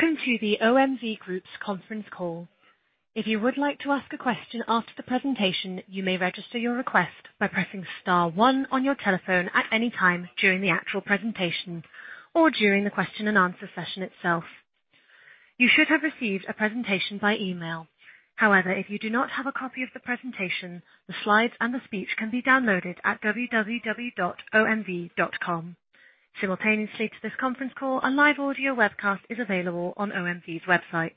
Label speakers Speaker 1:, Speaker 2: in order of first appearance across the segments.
Speaker 1: Welcome to the OMV Group's conference call. If you would like to ask a question after the presentation, you may register your request by pressing star one on your telephone at any time during the actual presentation or during the question and answer session itself. You should have received a presentation by email. However, if you do not have a copy of the presentation, the slides and the speech can be downloaded at www.omv.com. Simultaneously to this conference call, a live audio webcast is available on OMV's website.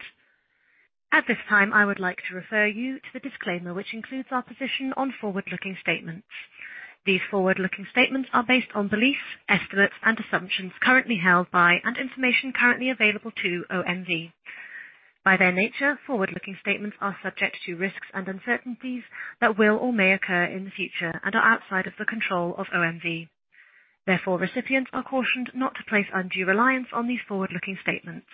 Speaker 1: At this time, I would like to refer you to the disclaimer, which includes our position on forward-looking statements. These forward-looking statements are based on beliefs, estimates and assumptions currently held by and information currently available to OMV. By their nature, forward-looking statements are subject to risks and uncertainties that will or may occur in the future and are outside of the control of OMV. Therefore, recipients are cautioned not to place undue reliance on these forward-looking statements.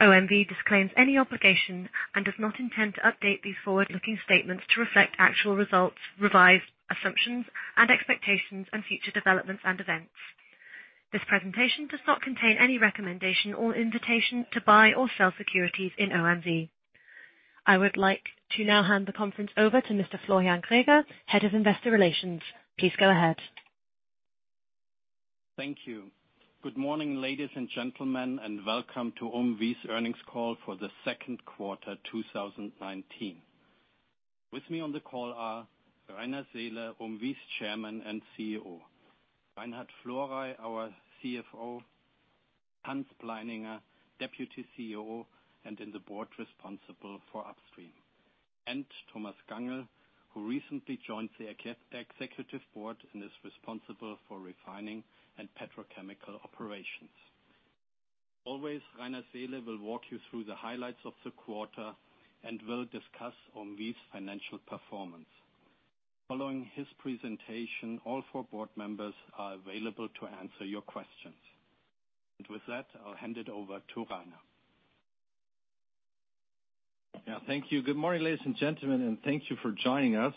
Speaker 1: OMV disclaims any obligation and does not intend to update these forward-looking statements to reflect actual results, revised assumptions and expectations and future developments and events. This presentation does not contain any recommendation or invitation to buy or sell securities in OMV. I would like to now hand the conference over to Mr. Florian Greger, Head of Investor Relations. Please go ahead.
Speaker 2: Thank you. Good morning, ladies and gentlemen, and welcome to OMV's earnings call for the second quarter 2019. With me on the call are Rainer Seele, OMV's Chairman and CEO. Reinhard Florey, our CFO. Hans Pleininger, Deputy CEO, and in the board responsible for Upstream. Thomas Gangl, who recently joined the Executive Board and is responsible for Refining & Petrochemical Operations. Always, Rainer Seele will walk you through the highlights of the quarter and will discuss OMV's financial performance. Following his presentation, all four board members are available to answer your questions. With that, I'll hand it over to Rainer.
Speaker 3: Yeah, thank you. Good morning, ladies and gentlemen, and thank you for joining us.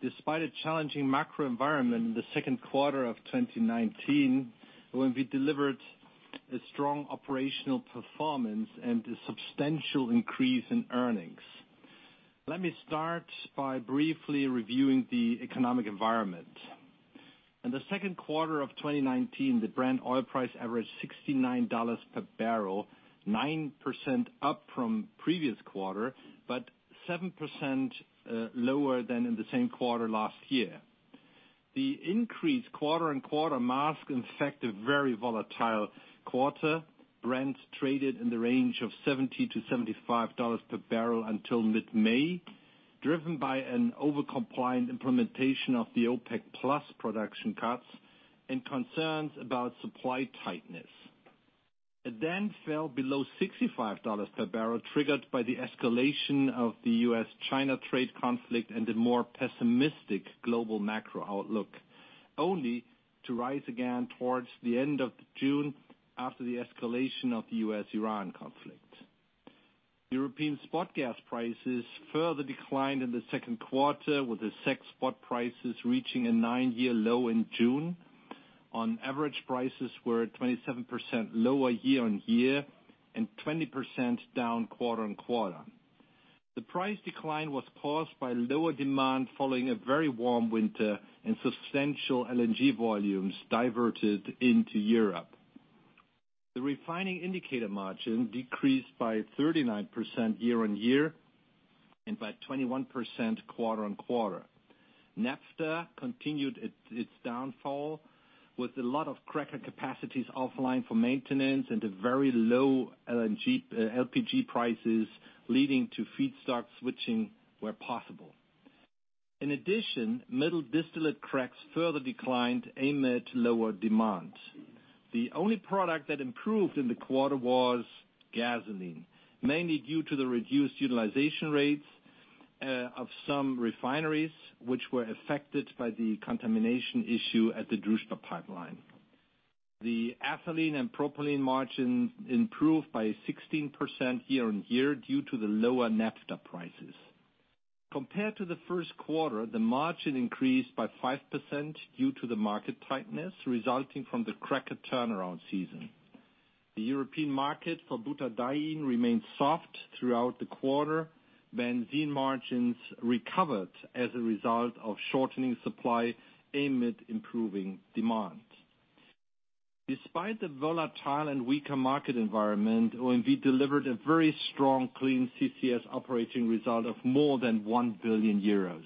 Speaker 3: Despite a challenging macro environment in the second quarter of 2019, OMV delivered a strong operational performance and a substantial increase in earnings. Let me start by briefly reviewing the economic environment. In the second quarter of 2019, the Brent oil price averaged $69 per barrel, 9% up from previous quarter, but 7% lower than in the same quarter last year. The increase quarter-on-quarter masked, in fact, a very volatile quarter. Brent traded in the range of $70-$75 per barrel until mid-May, driven by an overcompliant implementation of the OPEC Plus production cuts and concerns about supply tightness. It then fell below $65 per barrel, triggered by the escalation of the U.S.-China trade conflict and a more pessimistic global macro outlook. Only to rise again towards the end of June after the escalation of the U.S.-Iran conflict. European spot gas prices further declined in the second quarter, with the CEGH spot prices reaching a nine-year low in June. On average, prices were at 27% lower year-on-year and 20% down quarter-on-quarter. The price decline was caused by lower demand following a very warm winter and substantial LNG volumes diverted into Europe. The refining indicator margin decreased by 39% year-on-year and by 21% quarter-on-quarter. Naphtha continued its downfall with a lot of cracker capacities offline for maintenance and the very low LPG prices leading to feedstock switching where possible. In addition, middle distillate cracks further declined amid lower demand. The only product that improved in the quarter was gasoline, mainly due to the reduced utilization rates of some refineries, which were affected by the contamination issue at the Druzhba pipeline. The ethylene and propylene margin improved by 16% year on year due to the lower naphtha prices. Compared to the first quarter, the margin increased by 5% due to the market tightness resulting from the cracker turnaround season. The European market for butadiene remained soft throughout the quarter. Benzene margins recovered as a result of shortening supply amid improving demand. Despite the volatile and weaker market environment, OMV delivered a very strong Clean CCS operating result of more than 1 billion euros,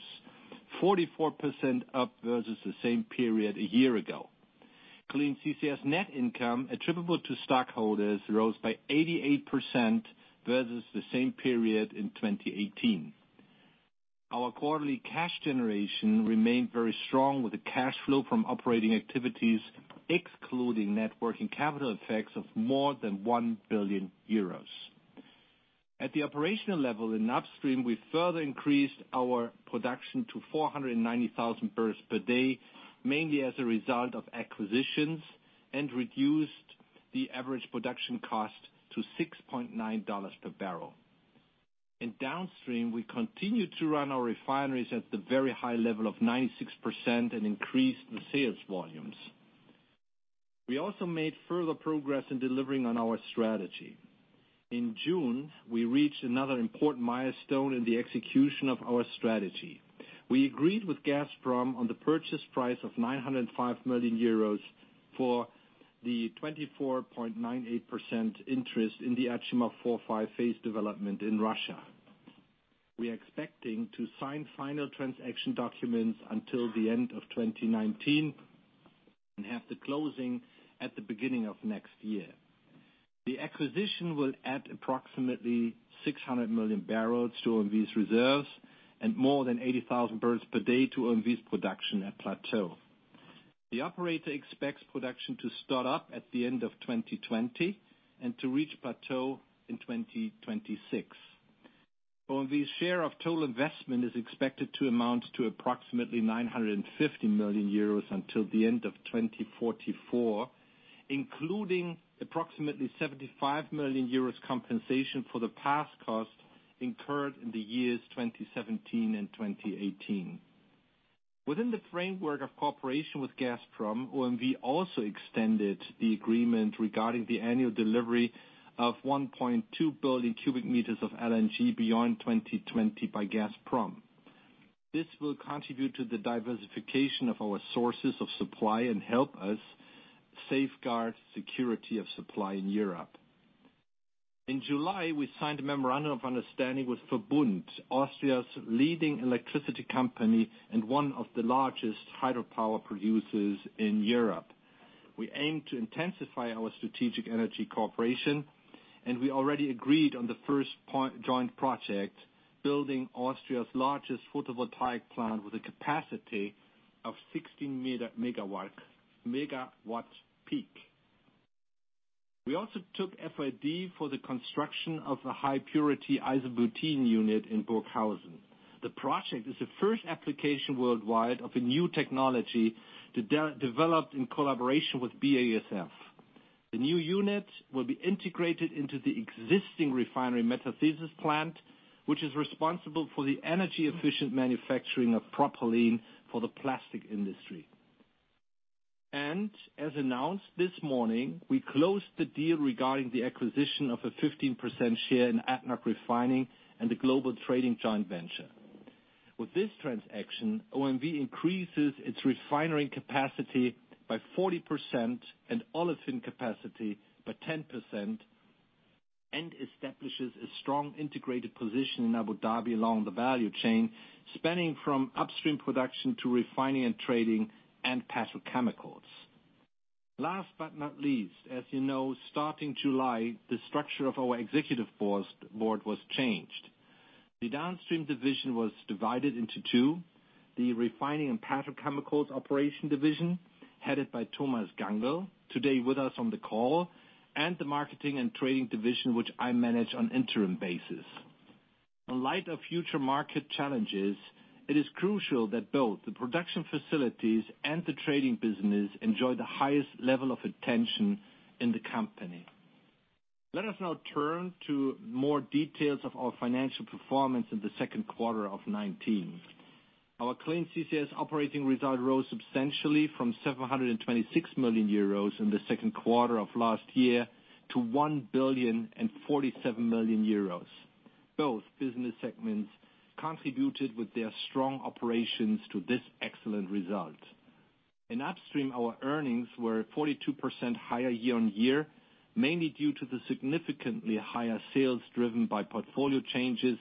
Speaker 3: 44% up versus the same period a year ago. Clean CCS net income attributable to stockholders rose by 88% versus the same period in 2018. Our quarterly cash generation remained very strong with a cash flow from operating activities, excluding net working capital effects of more than 1 billion euros. At the operational level in upstream, we further increased our production to 490,000 barrels per day, mainly as a result of acquisitions, and reduced the average production cost to $6.9 per barrel. In downstream, we continued to run our refineries at the very high level of 96% and increase the sales volumes. We also made further progress in delivering on our strategy. In June, we reached another important milestone in the execution of our strategy. We agreed with Gazprom on the purchase price of 905 million euros for the 24.98% interest in the Achimov 4, 5 phase development in Russia. We are expecting to sign final transaction documents until the end of 2019, and have the closing at the beginning of next year. The acquisition will add approximately 600 million barrels to OMV's reserves and more than 80,000 barrels per day to OMV's production at plateau. The operator expects production to start up at the end of 2020 and to reach plateau in 2026. OMV's share of total investment is expected to amount to approximately 950 million euros until the end of 2044, including approximately 75 million euros compensation for the past cost incurred in the years 2017 and 2018. Within the framework of cooperation with Gazprom, OMV also extended the agreement regarding the annual delivery of 1.2 billion cubic meters of LNG beyond 2020 by Gazprom. This will contribute to the diversification of our sources of supply and help us safeguard security of supply in Europe. In July, we signed a memorandum of understanding with VERBUND, Austria's leading electricity company and one of the largest hydropower producers in Europe. We aim to intensify our strategic energy cooperation, we already agreed on the first joint project, building Austria's largest photovoltaic plant with a capacity of 16 megawatt peak. We also took FID for the construction of the high purity isobutene unit in Burghausen. The project is the first application worldwide of a new technology developed in collaboration with BASF. The new unit will be integrated into the existing refinery metathesis plant, which is responsible for the energy-efficient manufacturing of propylene for the plastic industry. As announced this morning, we closed the deal regarding the acquisition of a 15% share in ADNOC Refining and the global trading joint venture. With this transaction, OMV increases its refinery capacity by 40% and olefin capacity by 10%, and establishes a strong integrated position in Abu Dhabi along the value chain, spanning from upstream production to refining and trading and petrochemicals. Last but not least, as you know, starting July, the structure of our executive board was changed. The downstream division was divided into two. The Refining and Petrochemicals Operation division, headed by Thomas Gangl, today with us on the call, and the Marketing and Trading division, which I manage on interim basis. In light of future market challenges, it is crucial that both the production facilities and the trading business enjoy the highest level of attention in the company. Let us now turn to more details of our financial performance in the second quarter of 2019. Our Clean CCS operating result rose substantially from 726 million euros in the second quarter of last year to 1.047 billion. Both business segments contributed with their strong operations to this excellent result. In upstream, our earnings were 42% higher year on year, mainly due to the significantly higher sales driven by portfolio changes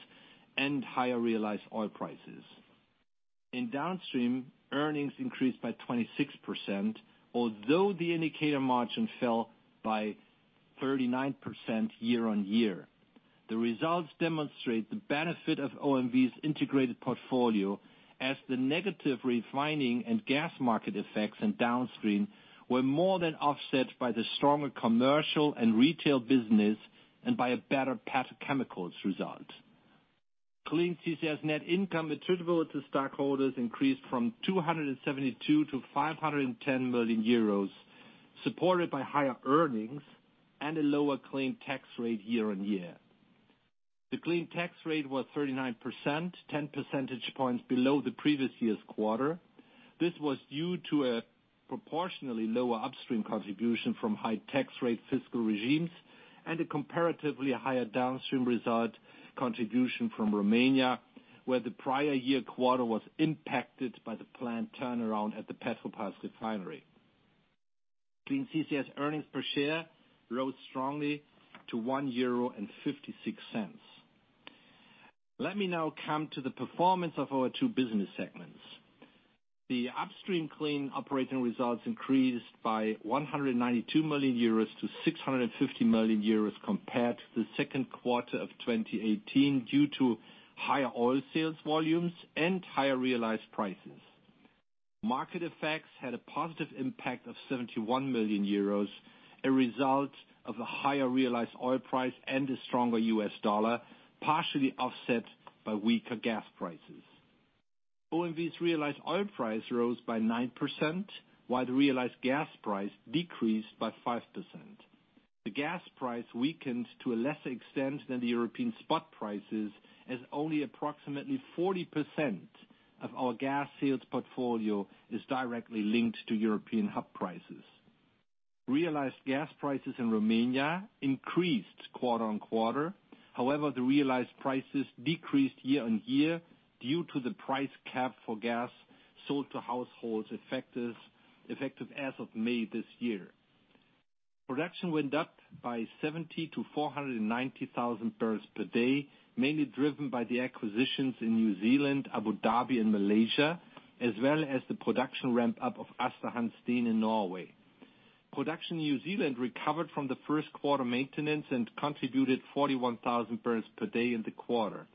Speaker 3: and higher realized oil prices. In downstream, earnings increased by 26%, although the indicator margin fell by 39% year on year. The results demonstrate the benefit of OMV's integrated portfolio as the negative refining and gas market effects in downstream were more than offset by the stronger commercial and retail business and by a better petrochemicals result. Clean CCS net income attributable to stockholders increased from 272 to 510 million euros, supported by higher earnings and a lower clean tax rate year on year. The clean tax rate was 39%, 10 percentage points below the previous year's quarter. This was due to a proportionally lower upstream contribution from high tax rate fiscal regimes and a comparatively higher downstream result contribution from Romania, where the prior year quarter was impacted by the plant turnaround at the Petrobrazi refinery. Clean CCS earnings per share rose strongly to 1.56 euro. Let me now come to the performance of our two business segments. The upstream clean operating results increased by 192 million euros to 650 million euros compared to the second quarter of 2018 due to higher oil sales volumes and higher realized prices. Market effects had a positive impact of 71 million euros, a result of a higher realized oil price and a stronger U.S. dollar, partially offset by weaker gas prices. OMV's realized oil price rose by 9%, while the realized gas price decreased by 5%. The gas price weakened to a lesser extent than the European spot prices, as only approximately 40% of our gas sales portfolio is directly linked to European hub prices. Realized gas prices in Romania increased quarter-on-quarter. However, the realized prices decreased year-on-year due to the price cap for gas sold to households effective as of May this year. Production went up by 70 to 490,000 barrels per day, mainly driven by the acquisitions in New Zealand, Abu Dhabi, and Malaysia, as well as the production ramp-up of Aasta Hansteen in Norway. Production in New Zealand recovered from the first quarter maintenance and contributed 41,000 barrels per day in the quarter.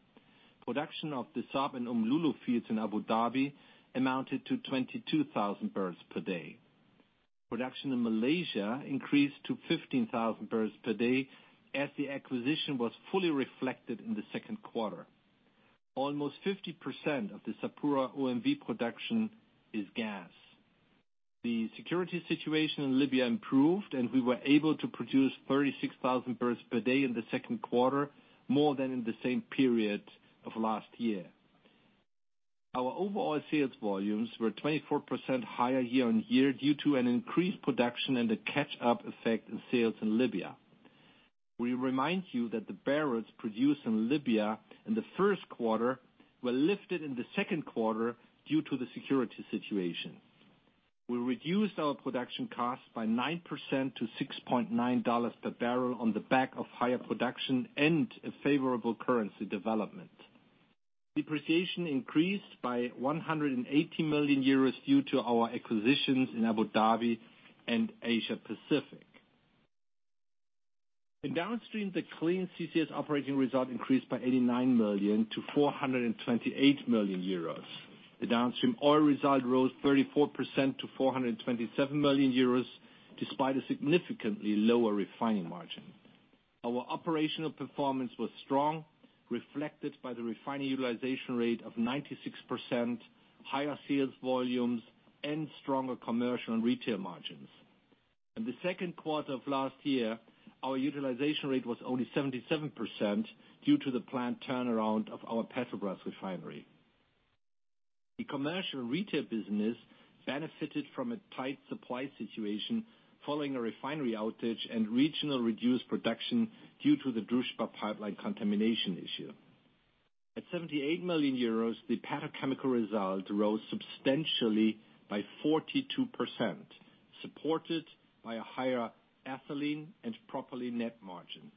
Speaker 3: Production of the SARB and Umm Lulu fields in Abu Dhabi amounted to 22,000 barrels per day. Production in Malaysia increased to 15,000 barrels per day as the acquisition was fully reflected in the second quarter. Almost 50% of the SapuraOMV production is gas. The security situation in Libya improved, we were able to produce 36,000 barrels per day in the second quarter, more than in the same period of last year. Our overall sales volumes were 24% higher year-over-year due to an increased production and the catch-up effect in sales in Libya. We remind you that the barrels produced in Libya in the first quarter were lifted in the second quarter due to the security situation. We reduced our production costs by 9% to $6.9 per barrel on the back of higher production and a favorable currency development. Depreciation increased by 180 million euros due to our acquisitions in Abu Dhabi and Asia Pacific. In Downstream, the Clean CCS operating result increased by 89 million to 428 million euros. The Downstream oil result rose 34% to 427 million euros, despite a significantly lower refining margin. Our operational performance was strong, reflected by the refining utilization rate of 96%, higher sales volumes, and stronger commercial and retail margins. In the second quarter of last year, our utilization rate was only 77% due to the plant turnaround of our Petrobrazi refinery. The commercial retail business benefited from a tight supply situation following a refinery outage and regional reduced production due to the Druzhba pipeline contamination issue. At 78 million euros, the petrochemical result rose substantially by 42%, supported by a higher ethylene and propylene net margin.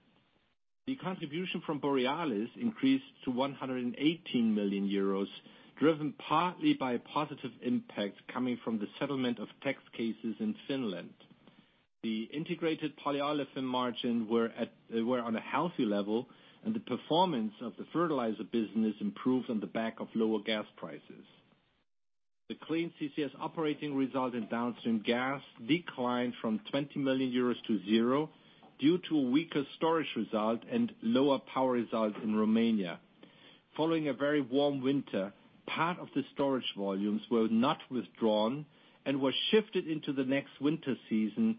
Speaker 3: The contribution from Borealis increased to 118 million euros, driven partly by a positive impact coming from the settlement of tax cases in Finland. The integrated polyolefin margin were on a healthy level, and the performance of the fertilizer business improved on the back of lower gas prices. The Clean CCS operating result in Downstream Gas declined from 20 million euros to zero due to a weaker storage result and lower power result in Romania. Following a very warm winter, part of the storage volumes were not withdrawn and were shifted into the next winter season,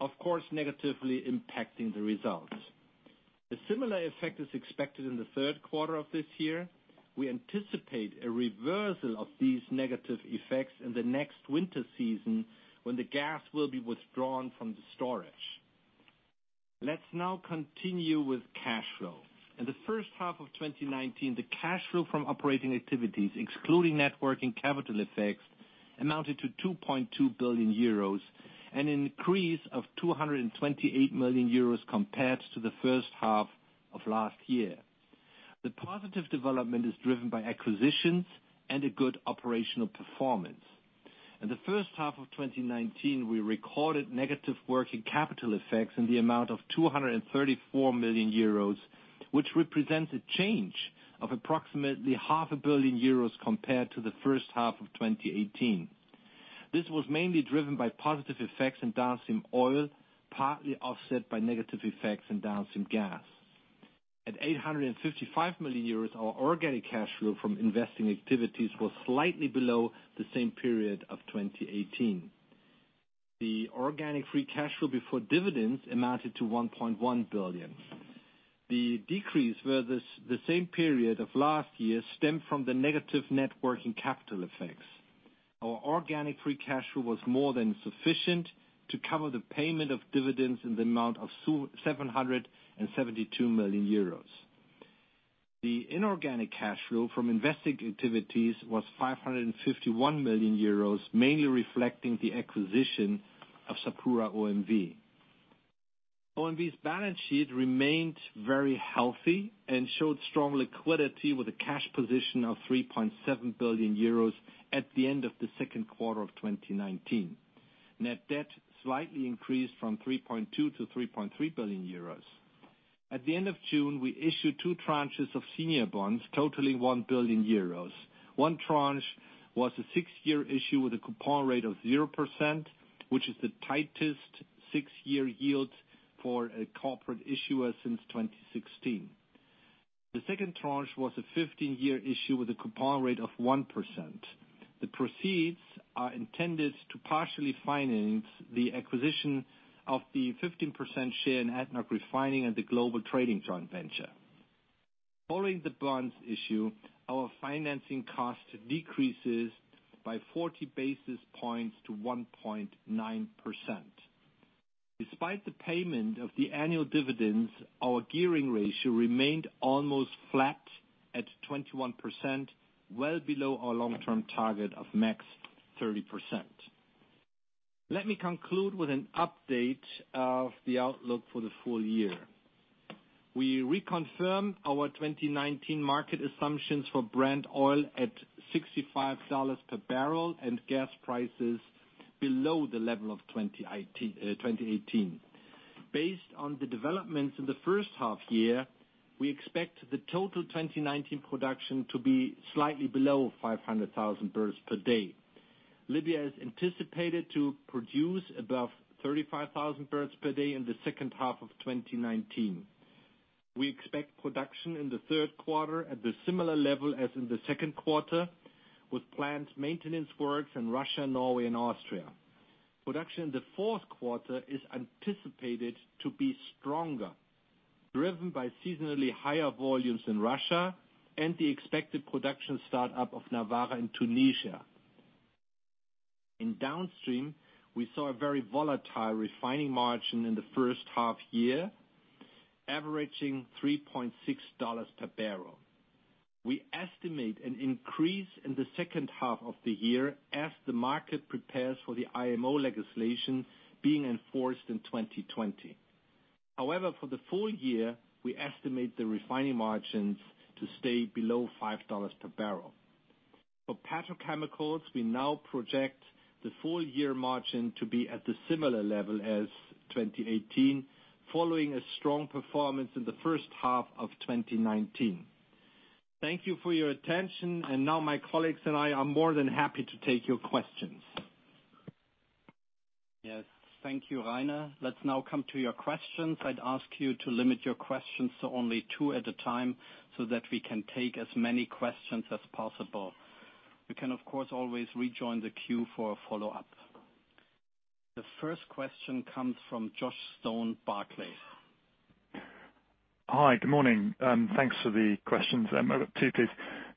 Speaker 3: of course, negatively impacting the results. A similar effect is expected in the third quarter of this year. We anticipate a reversal of these negative effects in the next winter season, when the gas will be withdrawn from the storage. Let's now continue with cash flow. In the first half of 2019, the cash flow from operating activities, excluding net working capital effects, amounted to 2.2 billion euros, an increase of 228 million euros compared to the first half of last year. The positive development is driven by acquisitions and a good operational performance. In the first half of 2019, we recorded negative working capital effects in the amount of 234 million euros, which represents a change of approximately half a billion EUR compared to the first half of 2018. This was mainly driven by positive effects in Downstream oil, partly offset by negative effects in Downstream gas. At 855 million euros, our organic cash flow from investing activities was slightly below the same period of 2018. The organic free cash flow before dividends amounted to 1.1 billion. The decrease versus the same period of last year stemmed from the negative net working capital effects. Our organic free cash flow was more than sufficient to cover the payment of dividends in the amount of 772 million euros. The inorganic cash flow from investing activities was 551 million euros, mainly reflecting the acquisition of SapuraOMV. OMV's balance sheet remained very healthy and showed strong liquidity with a cash position of 3.7 billion euros at the end of the second quarter of 2019. Net debt slightly increased from 3.2 billion to 3.3 billion euros. At the end of June, we issued two tranches of senior bonds totaling 1 billion euros. One tranche was a six-year issue with a coupon rate of 0%, which is the tightest six-year yield for a corporate issuer since 2016. The second tranche was a 15-year issue with a coupon rate of 1%. The proceeds are intended to partially finance the acquisition of the 15% share in ADNOC Refining and the global trading joint venture. Following the bonds issue, our financing cost decreases by 40 basis points to 1.9%. Despite the payment of the annual dividends, our gearing ratio remained almost flat at 21%, well below our long-term target of max 30%. Let me conclude with an update of the outlook for the full year. We reconfirm our 2019 market assumptions for Brent at 65 dollars per barrel and gas prices below the level of 2018. Based on the developments in the first half-year, we expect the total 2019 production to be slightly below 500,000 barrels per day. Libya is anticipated to produce above 35,000 barrels per day in the second half-year of 2019. We expect production in the third quarter at the similar level as in the second quarter with planned maintenance works in Russia, Norway, and Austria. Production in the fourth quarter is anticipated to be stronger, driven by seasonally higher volumes in Russia and the expected production start-up of Nawara in Tunisia. In downstream, we saw a very volatile refining margin in the first half-year, averaging 3.60 dollars per barrel. We estimate an increase in the second half of the year as the IMO legislation being enforced in 2020. For the full year, we estimate the refining margins to stay below EUR 5 per barrel. For petrochemicals, we now project the full-year margin to be at a similar level as 2018, following a strong performance in the first half of 2019. Thank you for your attention. Now my colleagues and I are more than happy to take your questions.
Speaker 2: Yes. Thank you, Rainer. Let's now come to your questions. I'd ask you to limit your questions to only two at a time so that we can take as many questions as possible. You can, of course, always rejoin the queue for a follow-up. The first question comes from Josh Stone, Barclays.
Speaker 4: Hi. Good morning. Thanks for the questions. I've got two, please.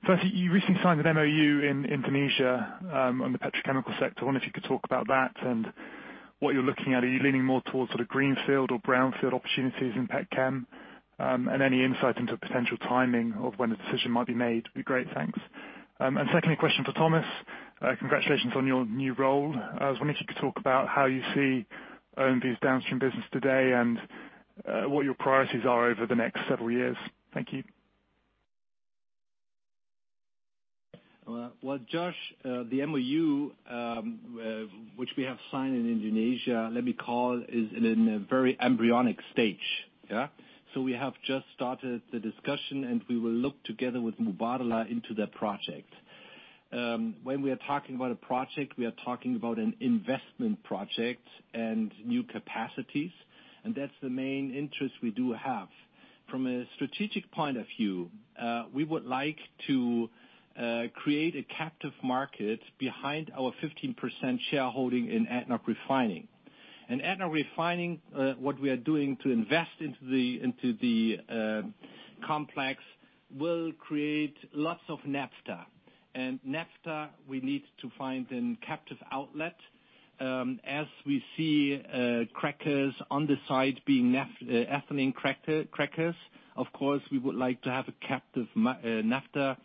Speaker 4: First, you recently signed an MoU in Indonesia, on the petrochemical sector. I wonder if you could talk about that and what you're looking at. Are you leaning more towards sort of greenfield or brownfield opportunities in petchem? Any insight into potential timing of when a decision might be made would be great. Thanks. Secondly, a question for Thomas. Congratulations on your new role. I was wondering if you could talk about how you see OMV's downstream business today and what your priorities are over the next several years. Thank you.
Speaker 3: Well, Josh, the MoU which we have signed in Indonesia, let me call, is in a very embryonic stage. Yeah? We have just started the discussion, and we will look together with Mubadala into the project. When we are talking about a project, we are talking about an investment project and new capacities, and that's the main interest we do have. From a strategic point of view, we would like to create a captive market behind our 15% shareholding in ADNOC Refining. In ADNOC Refining, what we are doing to invest into the complex will create lots of naphtha. Naphtha, we need to find a captive outlet. We see crackers on the side being ethylene crackers, of course, we would like to have a captive naphtha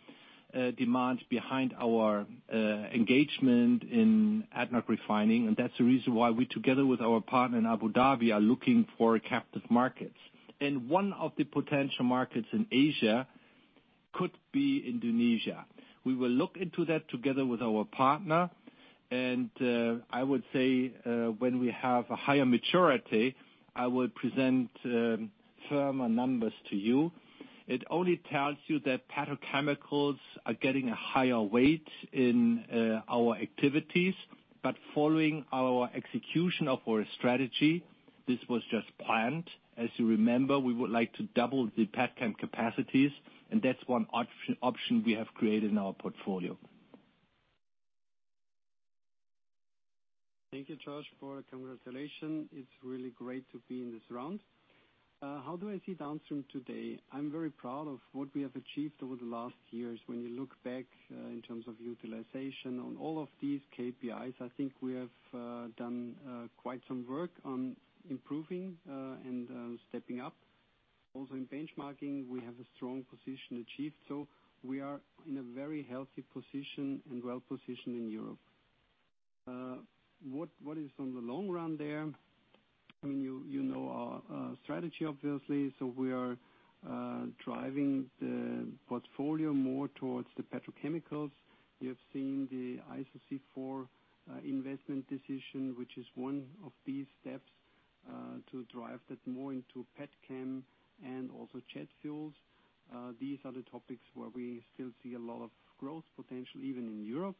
Speaker 3: demand behind our engagement in ADNOC Refining. That's the reason why we, together with our partner in Abu Dhabi, are looking for captive markets. One of the potential markets in Asia could be Indonesia. We will look into that together with our partner, and I would say when we have a higher maturity, I will present firmer numbers to you. It only tells you that petrochemicals are getting a higher weight in our activities. Following our execution of our strategy, this was just planned. As you remember, we would like to double the petchem capacities. That's one option we have created in our portfolio.
Speaker 5: Thank you, Josh, for congratulations. It's really great to be in this round. How do I see downstream today? I'm very proud of what we have achieved over the last years. When you look back in terms of utilization on all of these KPIs, I think we have done quite some work on improving, and stepping up. In benchmarking, we have a strong position achieved, so we are in a very healthy position and well-positioned in Europe. What is in the long run there? You know our strategy, obviously. We are driving the portfolio more towards the petrochemicals. You have seen the iC4 investment decision, which is one of these steps to drive that more into petchem and also jet fuels. These are the topics where we still see a lot of growth potential, even in Europe.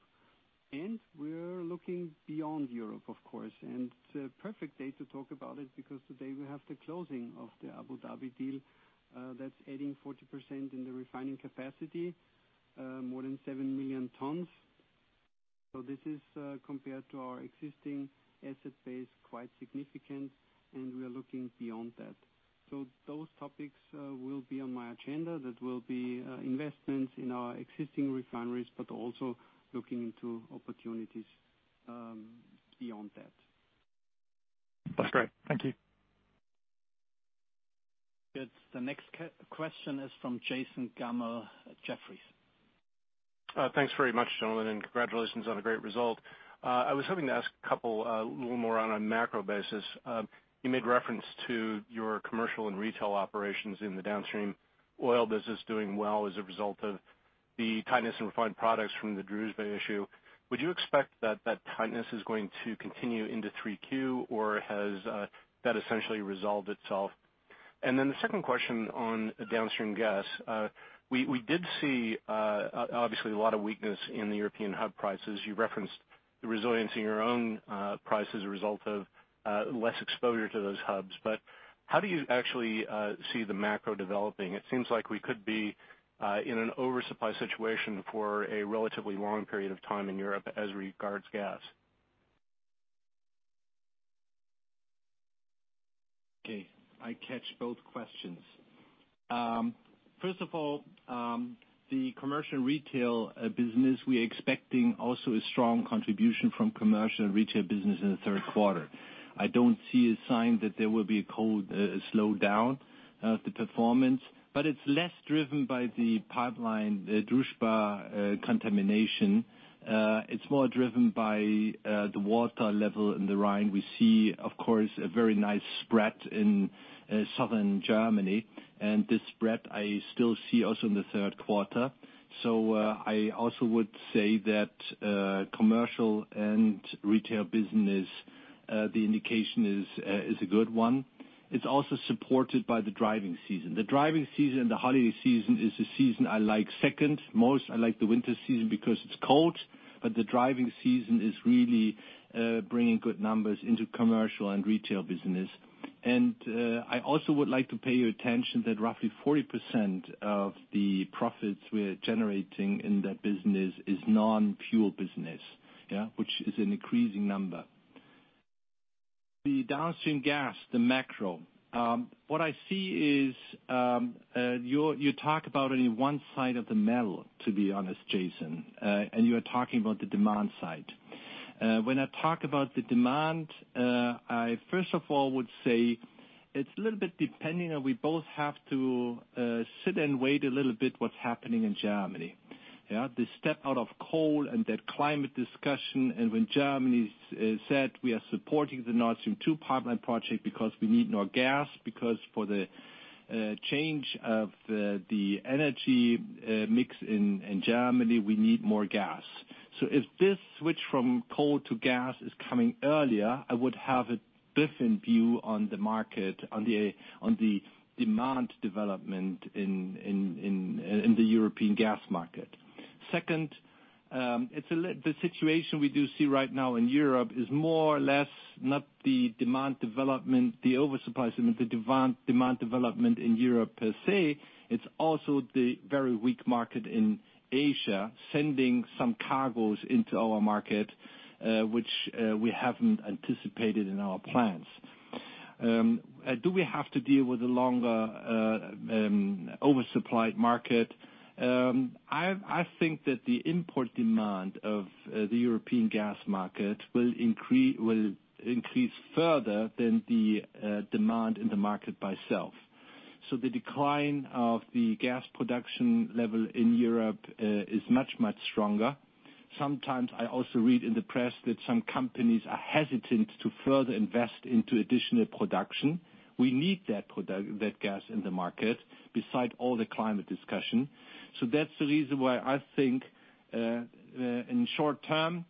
Speaker 5: We're looking beyond Europe, of course, and it's a perfect day to talk about it because today we have the closing of the Abu Dhabi deal that's adding 40% in the refining capacity, more than 7 million tons. This is, compared to our existing asset base, quite significant, and we are looking beyond that. Those topics will be on my agenda. That will be investments in our existing refineries, but also looking into opportunities beyond that.
Speaker 4: That's great. Thank you.
Speaker 2: Good. The next question is from Jason Gammel at Jefferies.
Speaker 6: Thanks very much, gentlemen, and congratulations on a great result. I was hoping to ask a little more on a macro basis. You made reference to your commercial and retail operations in the downstream oil business doing well as a result of the tightness in refined products from the Druzhba issue. Would you expect that that tightness is going to continue into 3Q or has that essentially resolved itself? The second question on downstream gas. We did see, obviously, a lot of weakness in the European hub prices. You referenced the resilience in your own price as a result of less exposure to those hubs. How do you actually see the macro developing? It seems like we could be in an oversupply situation for a relatively long period of time in Europe as regards gas.
Speaker 3: I catch both questions. First of all, the commercial retail business, we're expecting also a strong contribution from commercial and retail business in the third quarter. I don't see a sign that there will be a cold slowdown of the performance. It's less driven by the pipeline, the Druzhba contamination. It's more driven by the water level in the Rhine. We see, of course, a very nice spread in southern Germany. This spread I still see also in the third quarter. I also would say that commercial and retail business, the indication is a good one. It's also supported by the driving season. The driving season and the holiday season is the season I like second most. I like the winter season because it's cold. The driving season is really bringing good numbers into commercial and retail business. I also would like to pay your attention that roughly 40% of the profits we're generating in that business is non-fuel business. Which is an increasing number. The downstream gas, the macro. What I see is, you talk about only one side of the medal, to be honest, Jason, and you are talking about the demand side. When I talk about the demand, I first of all would say it's a little bit depending and we both have to sit and wait a little bit what's happening in Germany. The step out of coal and that climate discussion and when Germany said we are supporting the Nord Stream 2 pipeline project because we need more gas, because for the change of the energy mix in Germany, we need more gas. If this switch from coal to gas is coming earlier, I would have a different view on the market, on the demand development in the European gas market. Second, the situation we do see right now in Europe is more or less not the demand development, the oversupply, the demand development in Europe, per se. It's also the very weak market in Asia, sending some cargos into our market, which we haven't anticipated in our plans. Do we have to deal with a longer oversupplied market? I think that the import demand of the European gas market will increase further than the demand in the market by itself. The decline of the gas production level in Europe is much, much stronger. Sometimes I also read in the press that some companies are hesitant to further invest into additional production. We need that gas in the market besides all the climate discussion. That's the reason why I think, in short term,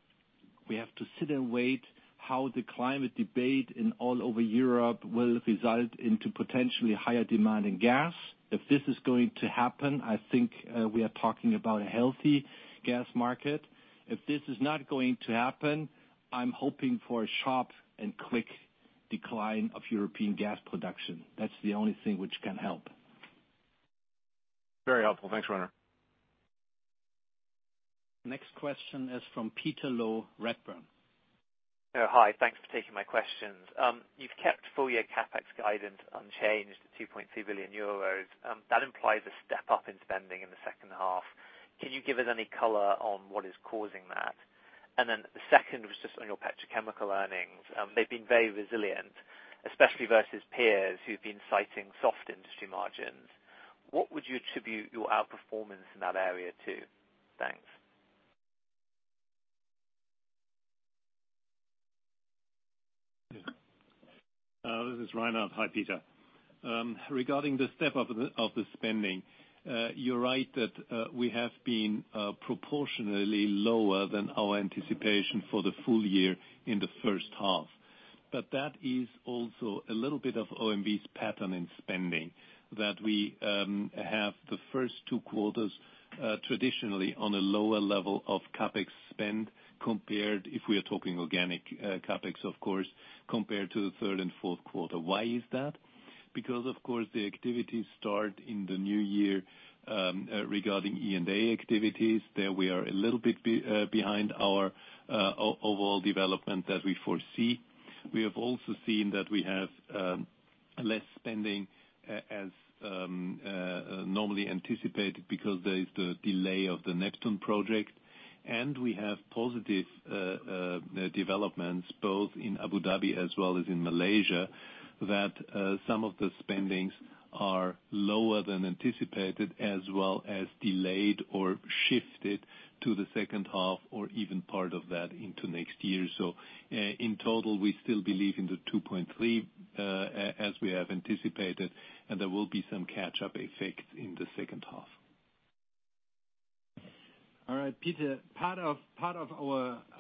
Speaker 3: we have to sit and wait how the climate debate all over Europe will result into potentially higher demand in gas. If this is going to happen, I think we are talking about a healthy gas market. If this is not going to happen, I'm hoping for a sharp and quick decline of European gas production. That's the only thing which can help.
Speaker 6: Very helpful. Thanks, Rainer.
Speaker 2: Next question is from Peter Low, Redburn.
Speaker 7: Hi. Thanks for taking my questions. You've kept full year CapEx guidance unchanged at 2.3 billion euros. That implies a step up in spending in the second half. Can you give us any color on what is causing that? The second was just on your petrochemical earnings. They've been very resilient, especially versus peers who've been citing soft industry margins. What would you attribute your outperformance in that area to? Thanks.
Speaker 3: This is Rainer. Hi, Peter. Regarding the step up of the spending, you're right that we have been proportionally lower than our anticipation for the full year in the first half. That is also a little bit of OMV's pattern in spending, that we have the first two quarters traditionally on a lower level of CapEx spend compared, if we are talking organic CapEx of course, compared to the third and fourth quarter. Why is that? Because, of course, the activities start in the new year regarding E&A activities. There we are a little bit behind our overall development as we foresee. We have also seen that we have less spending as normally anticipated because there is the delay of the Neptun project, and we have positive developments both in Abu Dhabi as well as in Malaysia, that some of the spendings are lower than anticipated as well as delayed or shifted to the second half or even part of that into next year. In total, we still believe in the 2.3 as we have anticipated, and there will be some catch-up effect in the second half. All right, Peter, part of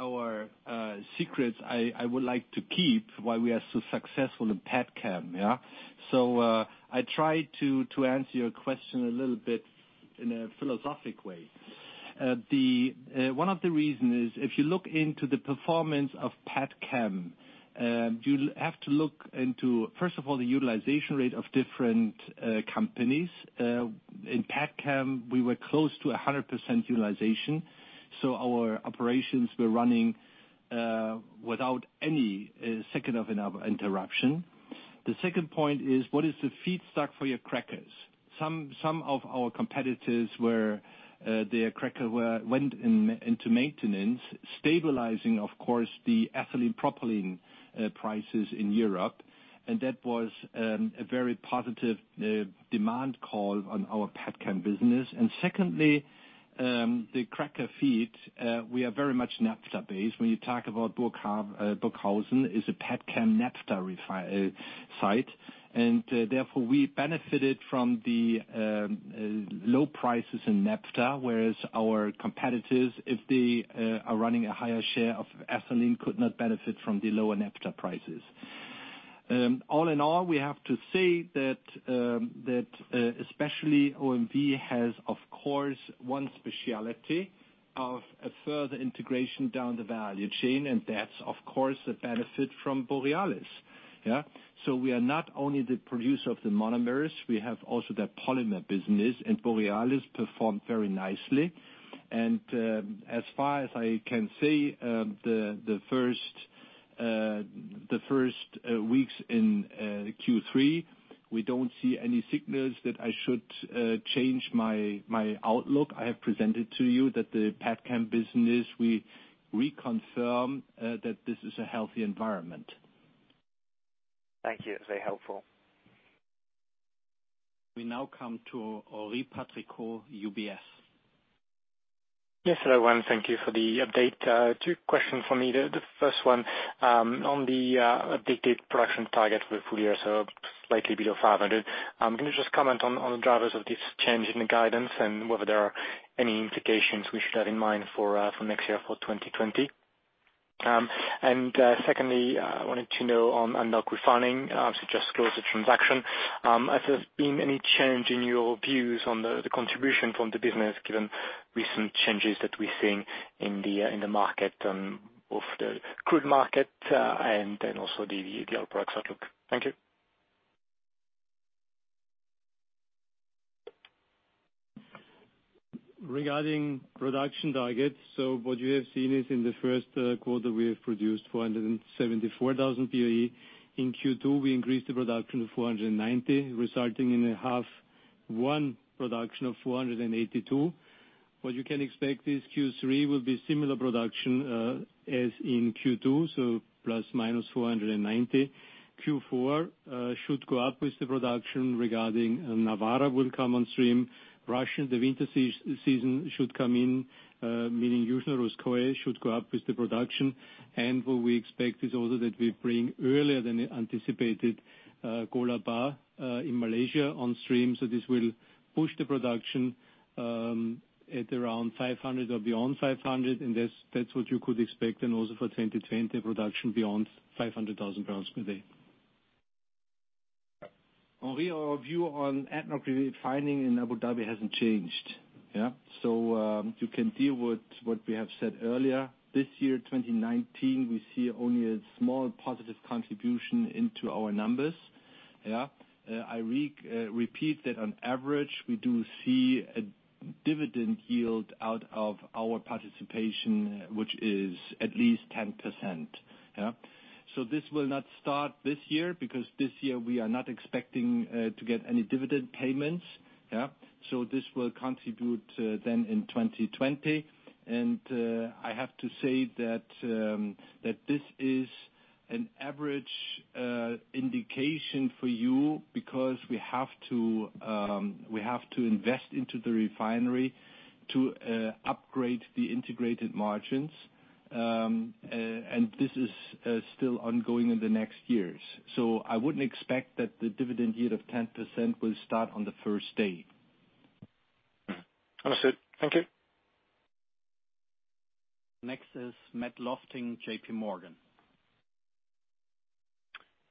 Speaker 3: our secrets I would like to keep why we are so successful in pet chem. I try to answer your question a little bit in a philosophic way. One of the reason is, if you look into the performance of pet chem, you have to look into, first of all, the utilization rate of different companies. In pet chem, we were close to 100% utilization, our operations were running without any second of interruption. The second point is what is the feedstock for your crackers? Some of our competitors, their cracker went into maintenance, stabilizing, of course, the ethylene propylene prices in Europe, and that was a very positive demand call on our pet chem business. Secondly, the cracker feed, we are very much naphtha based. When you talk about Burghausen is a pet chem naphtha site, therefore we benefited from the low prices in naphtha, whereas our competitors, if they are running a higher share of ethylene, could not benefit from the lower naphtha prices. All in all, we have to say that especially OMV has, of course, one specialty of a further integration down the value chain, that's of course a benefit from Borealis. We are not only the producer of the monomers, we have also the polymer business, Borealis performed very nicely. As far as I can say, the first weeks in Q3, we don't see any signals that I should change my outlook. I have presented to you that the pet chem business, we reconfirm that this is a healthy environment.
Speaker 7: Thank you. That's very helpful.
Speaker 2: We now come to Henri Patricot, UBS.
Speaker 8: Yes. Hello, everyone. Thank you for the update. Two questions from me. The first one on the updated production target for the full year, so slightly below 500. Can you just comment on the drivers of this change in the guidance and whether there are any implications we should have in mind for next year, for 2020? Secondly, I wanted to know on ADNOC Refining, obviously just closed the transaction. Has there been any change in your views on the contribution from the business, given recent changes that we're seeing in the market, both the crude market and then also the LPG products outlook? Thank you.
Speaker 3: Regarding production targets, what you have seen is in the first quarter, we have produced 474,000 PE. In Q2, we increased the production to 490, resulting in a half one production of 482. What you can expect is Q3 will be similar production as in Q2, plus minus 490. Q4 should go up with the production regarding Nawara will come on stream. Russia, the winter season should come in, meaning Yuzhno-Russkoye should go up with the production. What we expect is also that we bring earlier than anticipated Kuala Baram in Malaysia on stream, this will push the production at around 500 or beyond 500 and that's what you could expect, also for 2020, production beyond 500,000 barrels per day. Henri, our view on ADNOC Refining in Abu Dhabi hasn't changed. You can deal with what we have said earlier. This year, 2019, we see only a small positive contribution into our numbers. I repeat that on average, we do see a dividend yield out of our participation, which is at least 10%. This will not start this year, because this year we are not expecting to get any dividend payments. This will contribute then in 2020. I have to say that this is an average indication for you because we have to invest into the refinery to upgrade the integrated margins. This is still ongoing in the next years. I wouldn't expect that the dividend yield of 10% will start on the first day.
Speaker 8: Understood. Thank you.
Speaker 2: Next is Matt Lofting, JP Morgan.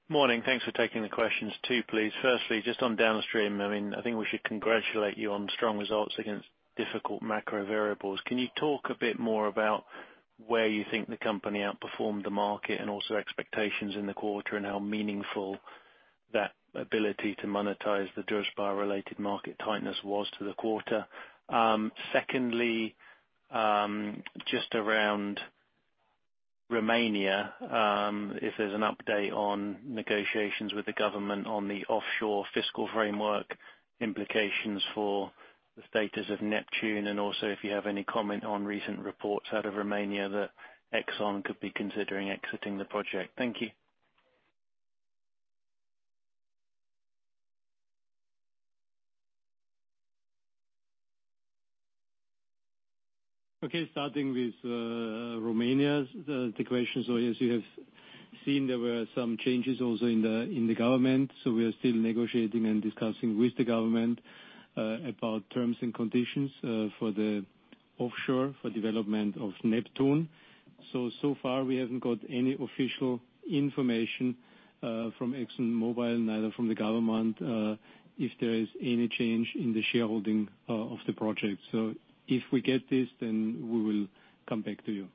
Speaker 9: Morning. Thanks for taking the questions too, please. Firstly, just on downstream, I think we should congratulate you on strong results against difficult macro variables. Can you talk a bit more about where you think the company outperformed the market and also expectations in the quarter, and how meaningful that ability to monetize the Druzhba-related market tightness was to the quarter? Secondly, just around Romania, if there's an update on negotiations with the government on the offshore fiscal framework implications for the status of Neptun Deep, and also if you have any comment on recent reports out of Romania that Exxon could be considering exiting the project. Thank you.
Speaker 3: Okay. Starting with Romania, the question. Yes, you have seen there were some changes also in the government. We are still negotiating and discussing with the government about terms and conditions for the offshore for development of Neptun Deep. So far we haven't got any official information from ExxonMobil, neither from the government, if there is any change in the shareholding of the project. If we get this, then we will come back to you.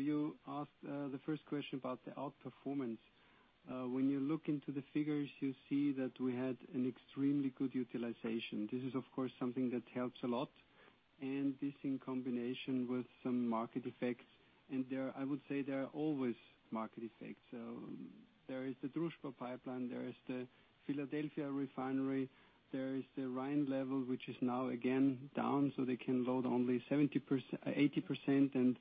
Speaker 3: You asked the first question about the outperformance. When you look into the figures, you see that we had an extremely good utilization. This is, of course, something that helps a lot. This in combination with some market effects. I would say there are always market effects. There is the Druzhba pipeline, there is the Philadelphia refinery, there is the Rhine level, which is now again down, so they can load only 80%, and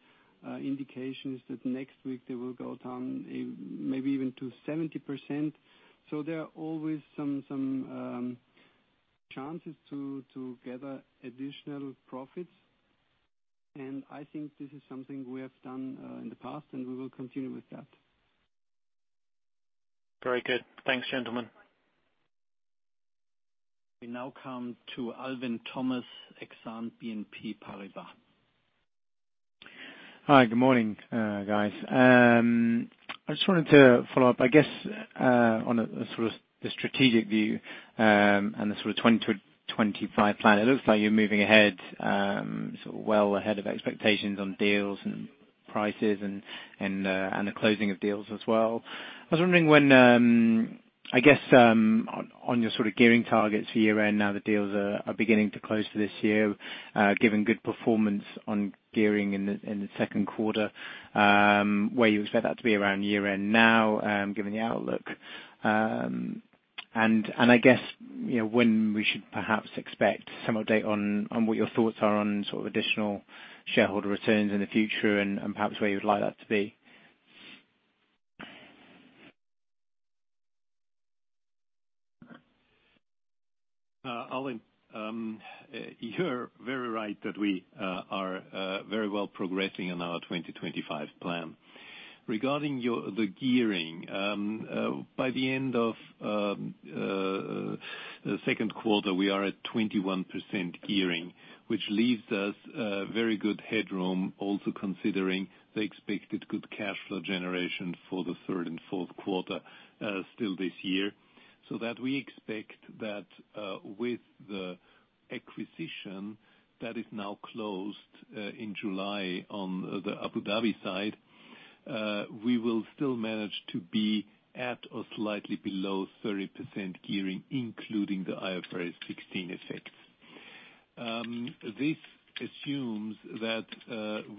Speaker 3: indication is that next week they will go down maybe even to 70%. There are always some chances to gather additional profits. I think this is something we have done in the past, and we will continue with that.
Speaker 9: Very good. Thanks, gentlemen.
Speaker 2: We now come to Alvin Thomas, Exane BNP Paribas.
Speaker 10: Hi. Good morning, guys. I just wanted to follow up, I guess, on a sort of the strategic view, and the sort of 2025 plan. It looks like you're moving ahead, well ahead of expectations on deals and prices and the closing of deals as well. I was wondering when, I guess, on your gearing targets for year-end, now the deals are beginning to close for this year, given good performance on gearing in the second quarter, where you expect that to be around year-end now, given the outlook. I guess, when we should perhaps expect some update on what your thoughts are on additional shareholder returns in the future and perhaps where you would like that to be.
Speaker 11: Alvin, you're very right that we are very well progressing on our 2025 plan. Regarding the gearing, by the end of the second quarter, we are at 21% gearing, which leaves us a very good headroom also considering the expected good cash flow generation for the third and fourth quarter still this year. We expect that with the acquisition that is now closed in July on the Abu Dhabi side, we will still manage to be at or slightly below 30% gearing, including the IFRS 16 effects. This assumes that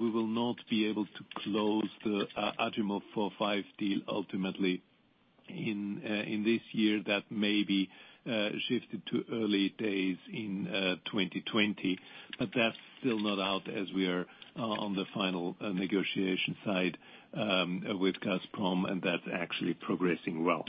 Speaker 11: we will not be able to close the Achimov 4, 5 deal ultimately in this year. That may be shifted to early days in 2020. That's still not out as we are on the final negotiation side with Gazprom, and that's actually progressing well.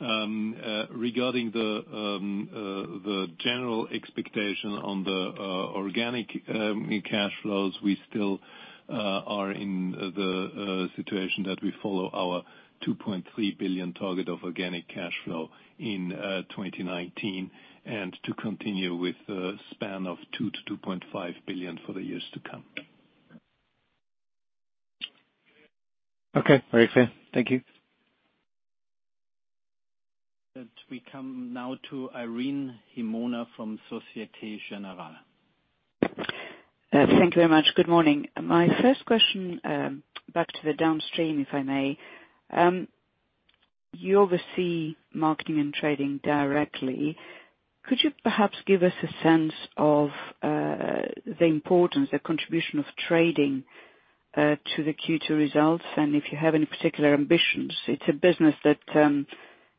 Speaker 11: Regarding the general expectation on the organic new cash flows, we still are in the situation that we follow our 2.3 billion target of organic cash flow in 2019, and to continue with a span of 2 billion-2.5 billion for the years to come.
Speaker 10: Okay. Very clear. Thank you.
Speaker 2: That we come now to Irene Himona from Societe Generale.
Speaker 12: Thank you very much. Good morning. My first question, back to the downstream, if I may. You oversee marketing and trading directly. Could you perhaps give us a sense of the importance, the contribution of trading to the Q2 results, and if you have any particular ambitions? It's a business that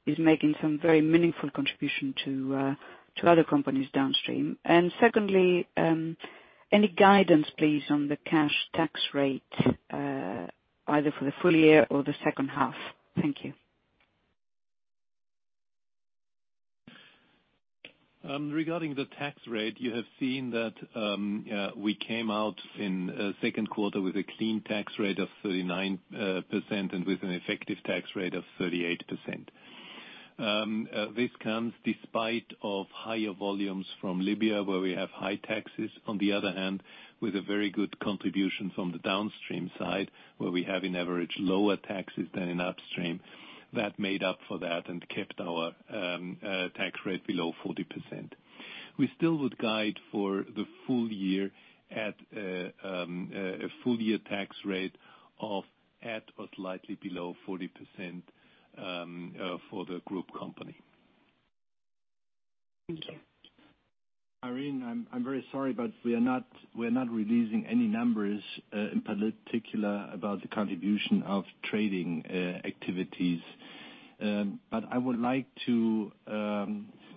Speaker 12: is making some very meaningful contribution to other companies downstream. Secondly, any guidance, please, on the cash tax rate, either for the full year or the second half? Thank you.
Speaker 3: Regarding the tax rate, you have seen that we came out in second quarter with a clean tax rate of 39% and with an effective tax rate of 38%. This comes despite of higher volumes from Libya, where we have high taxes. On the other hand, with a very good contribution from the downstream side, where we have an average lower taxes than in upstream. That made up for that and kept our tax rate below 40%. We still would guide for the full year at a full-year tax rate of at or slightly below 40% for the group company.
Speaker 12: Thank you.
Speaker 3: Irene, I'm very sorry, we're not releasing any numbers, in particular about the contribution of trading activities. I would like to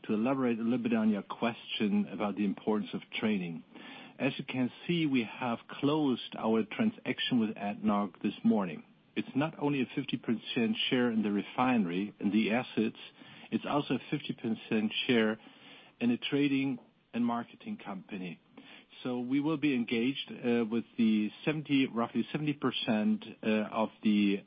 Speaker 3: elaborate a little bit on your question about the importance of trading. As you can see, we have closed our transaction with ADNOC this morning. It's not only a 50% share in the refinery, in the assets, it's also a 50% share in a trading and marketing company. We will be engaged with the roughly 70% of the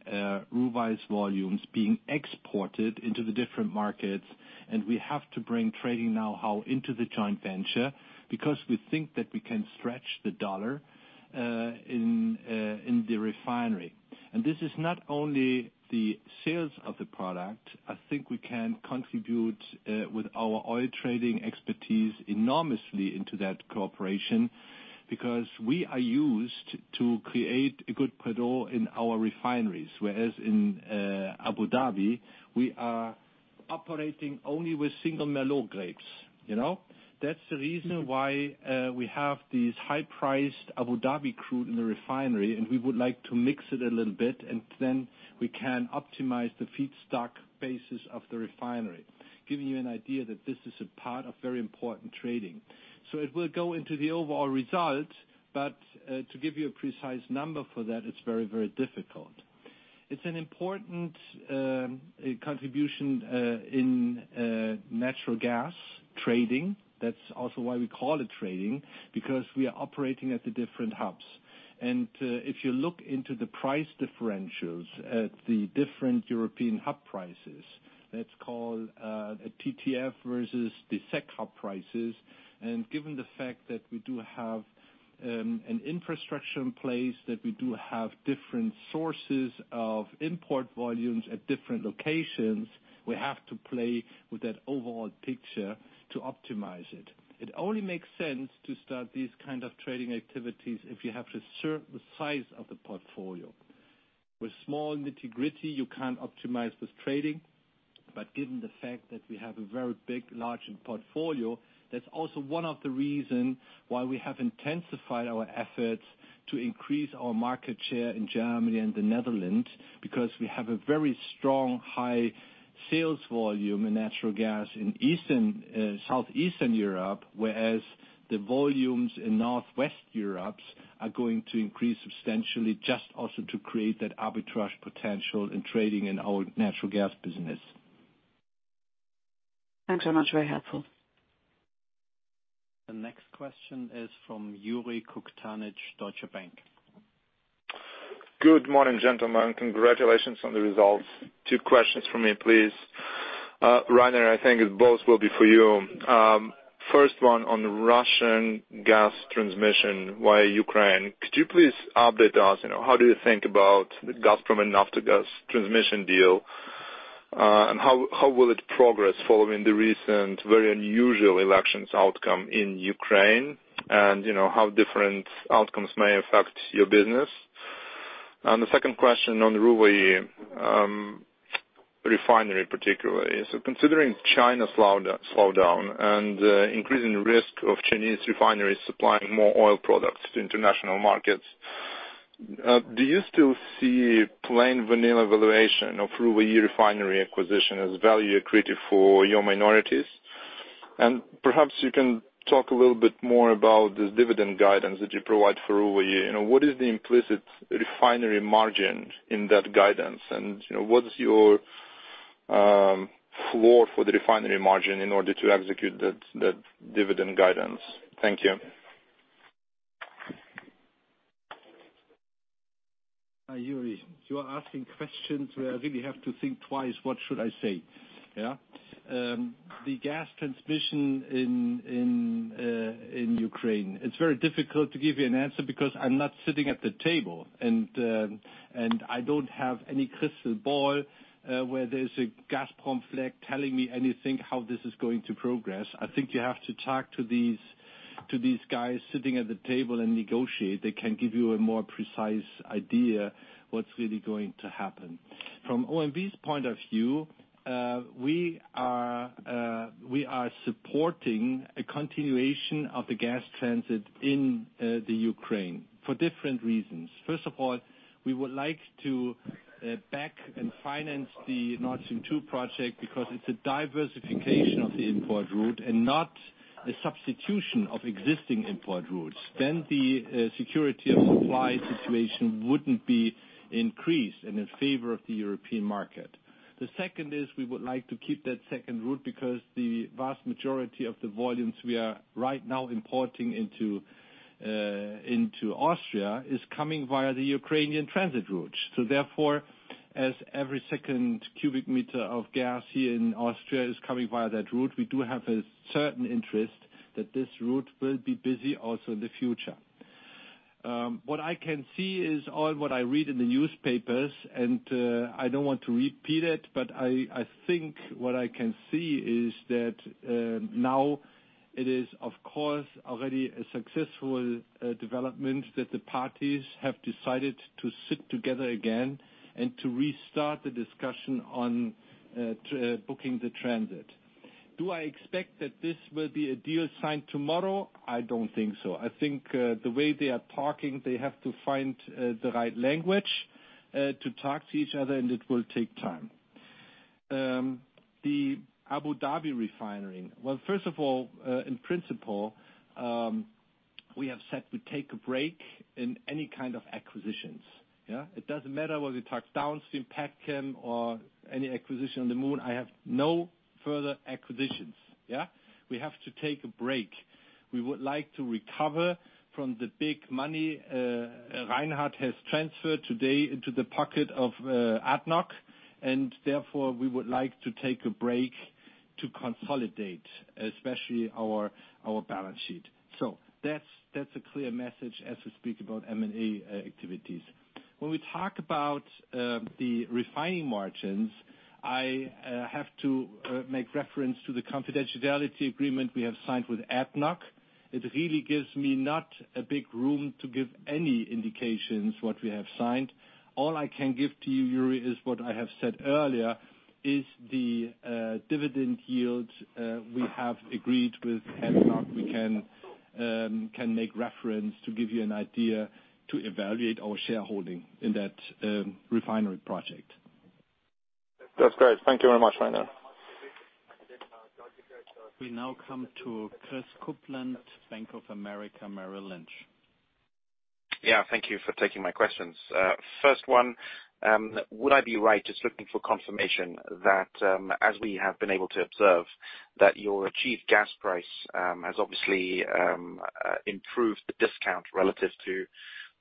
Speaker 3: Ruwais volumes being exported into the different markets, and we have to bring trading knowhow into the joint venture, because we think that we can stretch the dollar in the refinery. This is not only the sales of the product. I think we can contribute with our oil trading expertise enormously into that cooperation, because we are used to create a good Bordeaux in our refineries. Whereas in Abu Dhabi, we are operating only with single Merlot grapes. That's the reason why we have these high-priced Abu Dhabi crude in the refinery, and we would like to mix it a little bit, and then we can optimize the feedstock basis of the refinery. Giving you an idea that this is a part of very important trading. It will go into the overall result. To give you a precise number for that, it's very difficult. It's an important contribution in natural gas trading. That's also why we call it trading, because we are operating at the different hubs. If you look into the price differentials at the different European hub prices, let's call a TTF versus the CEGH hub prices. Given the fact that we do have an infrastructure in place, that we do have different sources of import volumes at different locations, we have to play with that overall picture to optimize it. It only makes sense to start these kind of trading activities if you have to serve the size of the portfolio. With small nitty-gritty, you can't optimize with trading. Given the fact that we have a very big, large portfolio, that's also one of the reason why we have intensified our efforts to increase our market share in Germany and the Netherlands, because we have a very strong, high sales volume in natural gas in Southeastern Europe, whereas the volumes in Northwest Europe are going to increase substantially, just also to create that arbitrage potential in trading in our natural gas business.
Speaker 12: Thanks so much. Very helpful.
Speaker 2: The next question is from Yuriy Kukhtanych, Deutsche Bank.
Speaker 13: Good morning, gentlemen. Congratulations on the results. Two questions from me, please. Rainer, I think both will be for you. First one on Russian gas transmission via Ukraine. Could you please update us, how do you think about the Gazprom and Naftogaz transmission deal? How will it progress following the recent, very unusual elections outcome in Ukraine and how different outcomes may affect your business? The second question on the Ruwais refinery, particularly. Considering China's slowdown and increasing risk of Chinese refineries supplying more oil products to international markets, do you still see plain vanilla valuation of Ruwais refinery acquisition as value accretive for your minorities? Perhaps you can talk a little bit more about this dividend guidance that you provide for Ruwais. What is the implicit refinery margin in that guidance, and what's your floor for the refinery margin in order to execute that dividend guidance? Thank you.
Speaker 3: Yuriy, you are asking questions where I really have to think twice what should I say. The gas transmission in Ukraine. It's very difficult to give you an answer because I'm not sitting at the table, and I don't have any crystal ball where there's a Gazprom flag telling me anything how this is going to progress. I think you have to talk to these guys sitting at the table and negotiate. They can give you a more precise idea what's really going to happen. From OMV's point of view, we are supporting a continuation of the gas transit in Ukraine for different reasons. First of all, we would like to back and finance the Nord Stream 2 project because it's a diversification of the import route and not the substitution of existing import routes, then the security of supply situation wouldn't be increased and in favor of the European market. The second is we would like to keep that second route because the vast majority of the volumes we are right now importing into Austria is coming via the Ukrainian transit routes. Therefore, as every second cubic meter of gas here in Austria is coming via that route, we do have a certain interest that this route will be busy also in the future. What I can see is all what I read in the newspapers, and I don't want to repeat it, but I think what I can see is that now it is, of course, already a successful development that the parties have decided to sit together again and to restart the discussion on booking the transit. Do I expect that this will be a deal signed tomorrow? I don't think so. I think, the way they are talking, they have to find the right language to talk to each other, and it will take time. The Abu Dhabi refinery. Well, first of all, in principle, we have said we take a break in any kind of acquisitions. Yeah. It doesn't matter whether we talk downstream petchem or any acquisition on the moon. I have no further acquisitions. Yeah. We have to take a break. We would like to recover from the big money Reinhard has transferred today into the pocket of ADNOC, and therefore, we would like to take a break to consolidate, especially our balance sheet. That's a clear message as we speak about M&A activities. When we talk about the refining margins, I have to make reference to the confidentiality agreement we have signed with ADNOC. It really gives me not a big room to give any indications what we have signed. All I can give to you, Yuriy, is what I have said earlier, is the dividend yield we have agreed with ADNOC. We can make reference to give you an idea to evaluate our shareholding in that refinery project.
Speaker 13: That's great. Thank you very much, Rainer.
Speaker 2: We now come to Christopher Kuplent, Bank of America Merrill Lynch.
Speaker 14: Yeah, thank you for taking my questions. First one, would I be right, just looking for confirmation that, as we have been able to observe, that your achieved gas price has obviously improved the discount relative to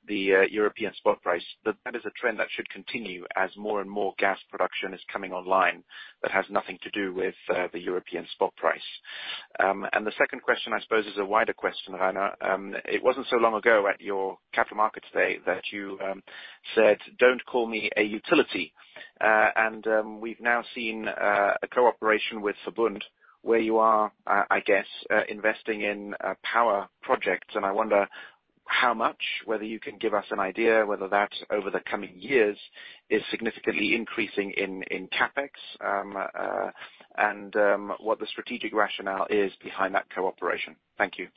Speaker 14: the European spot price, that that is a trend that should continue as more and more gas production is coming online that has nothing to do with the European spot price. The second question, I suppose, is a wider question, Rainer. It wasn't so long ago at your capital markets day that you said, "Don't call me a utility." We've now seen a cooperation with VERBUND where you are, I guess, investing in power projects. I wonder how much, whether you can give us an idea whether that, over the coming years, is significantly increasing in CapEx, and what the strategic rationale is behind that cooperation. Thank you.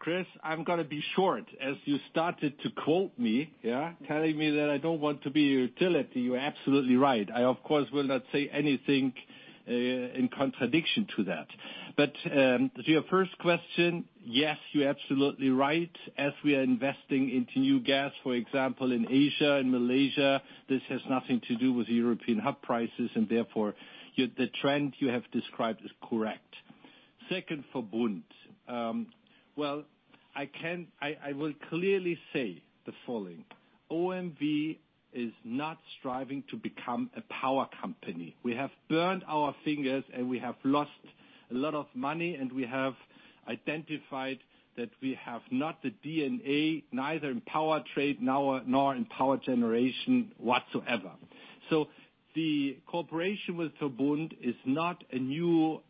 Speaker 3: Chris, I'm going to be short. As you started to quote me, telling me that I don't want to be a utility, you're absolutely right. I, of course, will not say anything in contradiction to that. To your first question, yes, you're absolutely right. As we are investing into new gas, for example, in Asia and Malaysia, this has nothing to do with European hub prices, and therefore, the trend you have described is correct. Second, VERBUND. I will clearly say the following. OMV is not striving to become a power company. We have burned our fingers, and we have lost a lot of money, and we have identified that we have not the DNA, neither in power trade nor in power generation whatsoever. The cooperation with VERBUND is not a new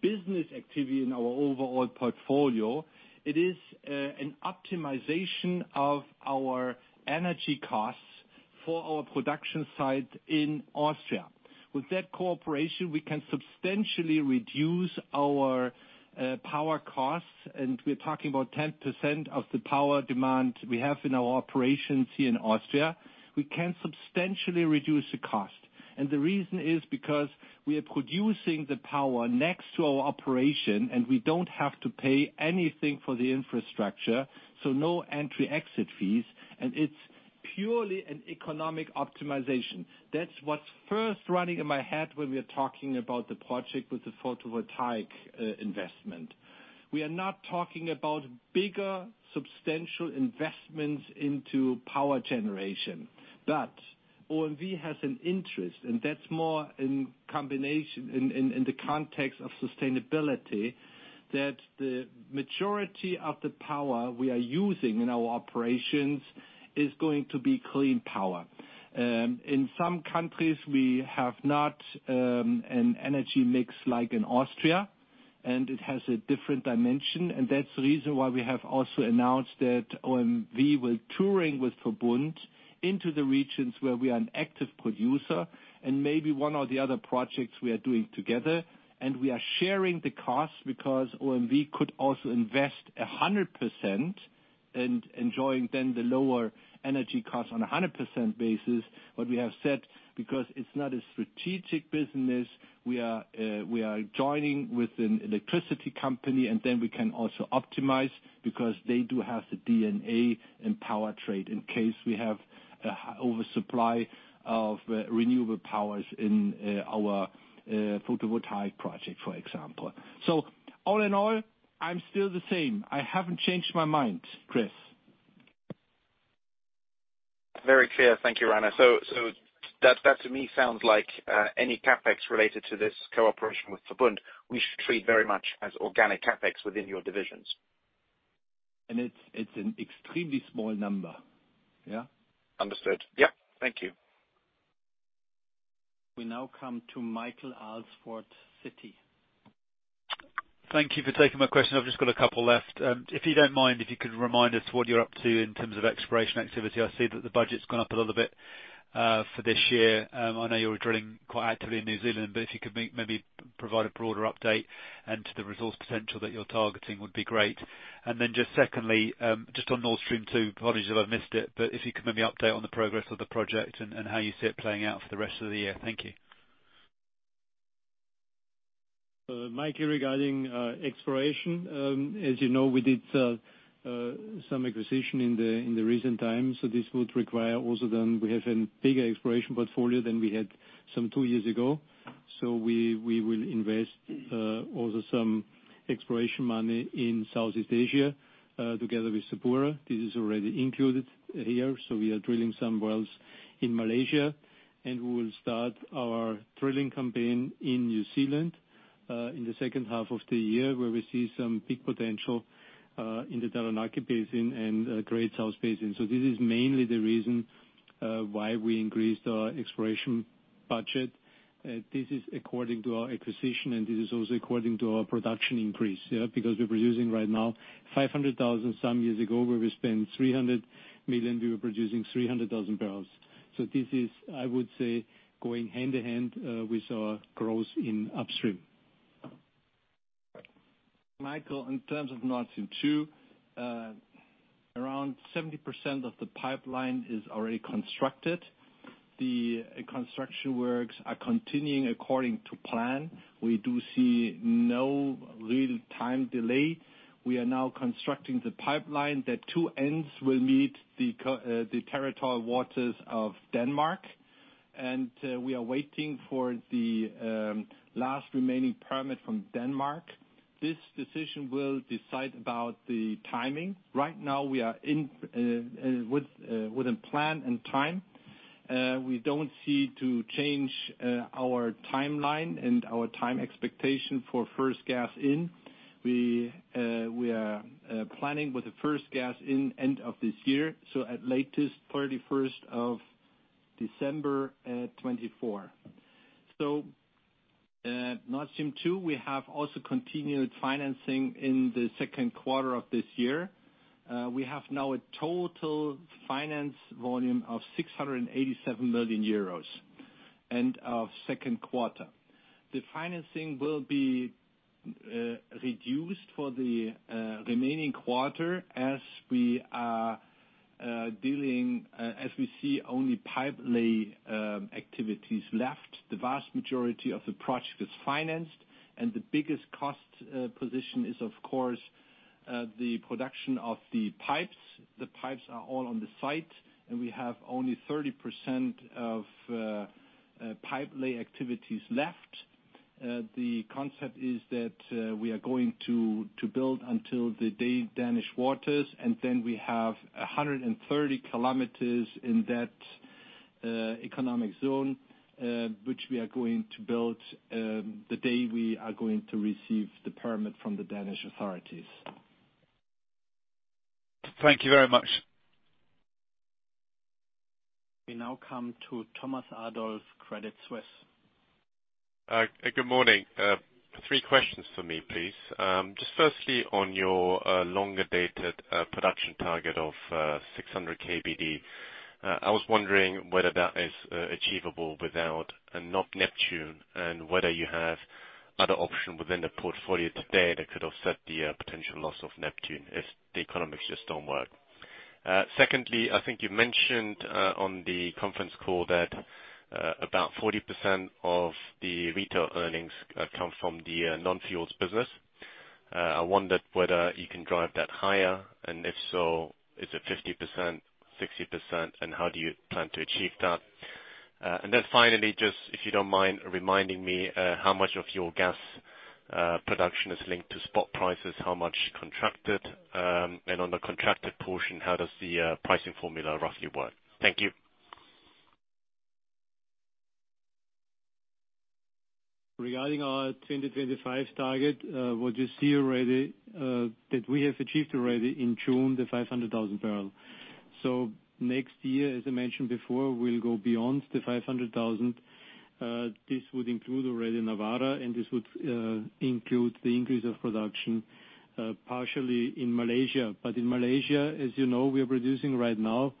Speaker 3: business activity in our overall portfolio. It is an optimization of our energy costs for our production site in Austria. With that cooperation, we can substantially reduce our power costs. We're talking about 10% of the power demand we have in our operations here in Austria. We can substantially reduce the cost. The reason is because we are producing the power next to our operation, and we don't have to pay anything for the infrastructure, so no entry-exit fees, and it's purely an economic optimization. That's what's first running in my head when we are talking about the project with the photovoltaic investment. We are not talking about bigger, substantial investments into power generation. OMV has an interest, and that's more in the context of sustainability, that the majority of the power we are using in our operations is going to be clean power. In some countries, we have not an energy mix like in Austria, and it has a different dimension. That's the reason why we have also announced that OMV will touring with VERBUND into the regions where we are an active producer and maybe one or the other projects we are doing together, and we are sharing the cost because OMV could also invest 100%. Enjoying then the lower energy cost on 100% basis. We have said, because it is not a strategic business, we are joining with an electricity company, and then we can also optimize because they do have the DNA and power trade in case we have oversupply of renewable powers in our photovoltaic project, for example. All in all, I am still the same. I have not changed my mind, Chris.
Speaker 14: Very clear. Thank you, Rainer. That to me sounds like any CapEx related to this cooperation with VERBUND, we should treat very much as organic CapEx within your divisions.
Speaker 3: It's an extremely small number. Yeah?
Speaker 14: Understood. Yeah. Thank you.
Speaker 2: We now come to Michael Alsford, Citi.
Speaker 15: Thank you for taking my question. I've just got a couple left. If you don't mind, if you could remind us what you're up to in terms of exploration activity. I see that the budget's gone up a little bit, for this year. I know you're drilling quite actively in New Zealand, but if you could maybe provide a broader update and to the resource potential that you're targeting would be great. Then just secondly, just on Nord Stream 2, apologies if I've missed it, but if you could maybe update on the progress of the project and how you see it playing out for the rest of the year. Thank you.
Speaker 11: Michael, regarding exploration, as you know, we did some acquisition in the recent times. This would require also then we have a bigger exploration portfolio than we had some two years ago. We will invest also some exploration money in Southeast Asia, together with Sapura. This is already included here. We are drilling some wells in Malaysia, and we will start our drilling campaign in New Zealand, in the second half of the year, where we see some big potential, in the Taranaki Basin and Great South Basin. This is mainly the reason why we increased our exploration budget. This is according to our acquisition, and this is also according to our production increase. We're producing right now 500,000 barrels some years ago, where we spend 300 million, we were producing 300,000 barrels. This is, I would say, going hand in hand, with our growth in upstream.
Speaker 3: Michael, in terms of Nord Stream 2, around 70% of the pipeline is already constructed. The construction works are continuing according to plan. We do see no real time delay. We are now constructing the pipeline. The two ends will meet the territorial waters of Denmark. We are waiting for the last remaining permit from Denmark. This decision will decide about the timing. Right now, we are within plan and time. We don't see to change our timeline and our time expectation for first gas in. We are planning with the first gas in end of this year, so at latest 31st of December, 2024. Nord Stream 2, we have also continued financing in the second quarter of this year. We have now a total finance volume of 687 million euros end of second quarter. The financing will be reduced for the remaining quarter as we are dealing, as we see, only pipe lay activities left. The vast majority of the project is financed, and the biggest cost position is, of course, the production of the pipes. The pipes are all on the site, and we have only 30% of pipe lay activities left. The concept is that we are going to build until the Danish waters, and then we have 130 kilometers in that economic zone, which we are going to build the day we are going to receive the permit from the Danish authorities.
Speaker 15: Thank you very much.
Speaker 2: We now come to Thomas Adolff, Credit Suisse.
Speaker 16: Good morning. Three questions for me, please. First, on your longer-dated production target of 600 KBD, I was wondering whether that is achievable without Neptun Deep and whether you have other options within the portfolio today that could offset the potential loss of Neptun Deep if the economics just don't work. Second, I think you mentioned on the conference call that about 40% of the retail earnings come from the non-fuels business. I wondered whether you can drive that higher and if so, is it 50%, 60%, and how do you plan to achieve that? Finally, if you don't mind reminding me how much of your gas production is linked to spot prices, how much contracted? On the contracted portion, how does the pricing formula roughly work? Thank you.
Speaker 11: Regarding our 2025 target, what you see already, that we have achieved already in June, the 500,000 barrel. Next year, as I mentioned before, we'll go beyond the 500,000. This would include already Nawara and this would include the increase of production partially in Malaysia. In Malaysia, as you know, we are producing right now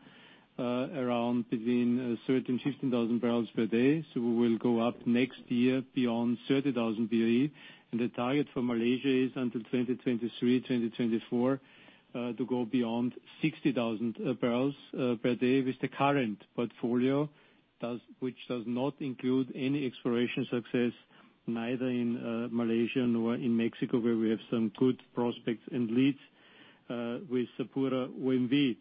Speaker 11: around between 30,000 and 15,000 barrels per day. We will go up next year beyond 30,000 BOE, and the target for Malaysia is until 2023, 2024, to go beyond 60,000 barrels per day with the current portfolio. Which does not include any exploration success, neither in Malaysia nor in Mexico, where we have some good prospects and leads with SapuraOMV.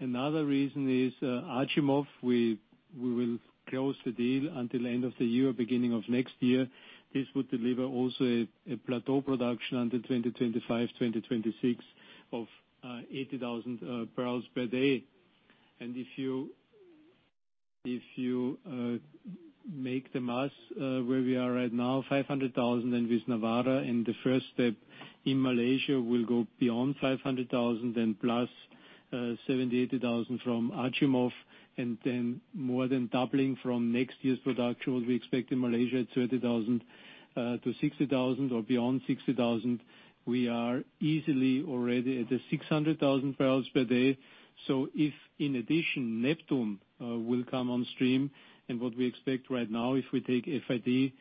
Speaker 11: Another reason is Achimov. We will close the deal until end of the year, beginning of next year. This would deliver also a plateau production under 2025, 2026 of 80,000 barrels per day. If you make the math where we are right now, 500,000 then with Nawara and the first step in Malaysia will go beyond 500,000 then plus 70,000, 80,000 from Achimov, and then more than doubling from next year's production. We expect in Malaysia at 30,000-60,000 or beyond 60,000. We are easily already at the 600,000 barrels per day. If in addition Neptun will come on stream and what we expect right now, if we take FID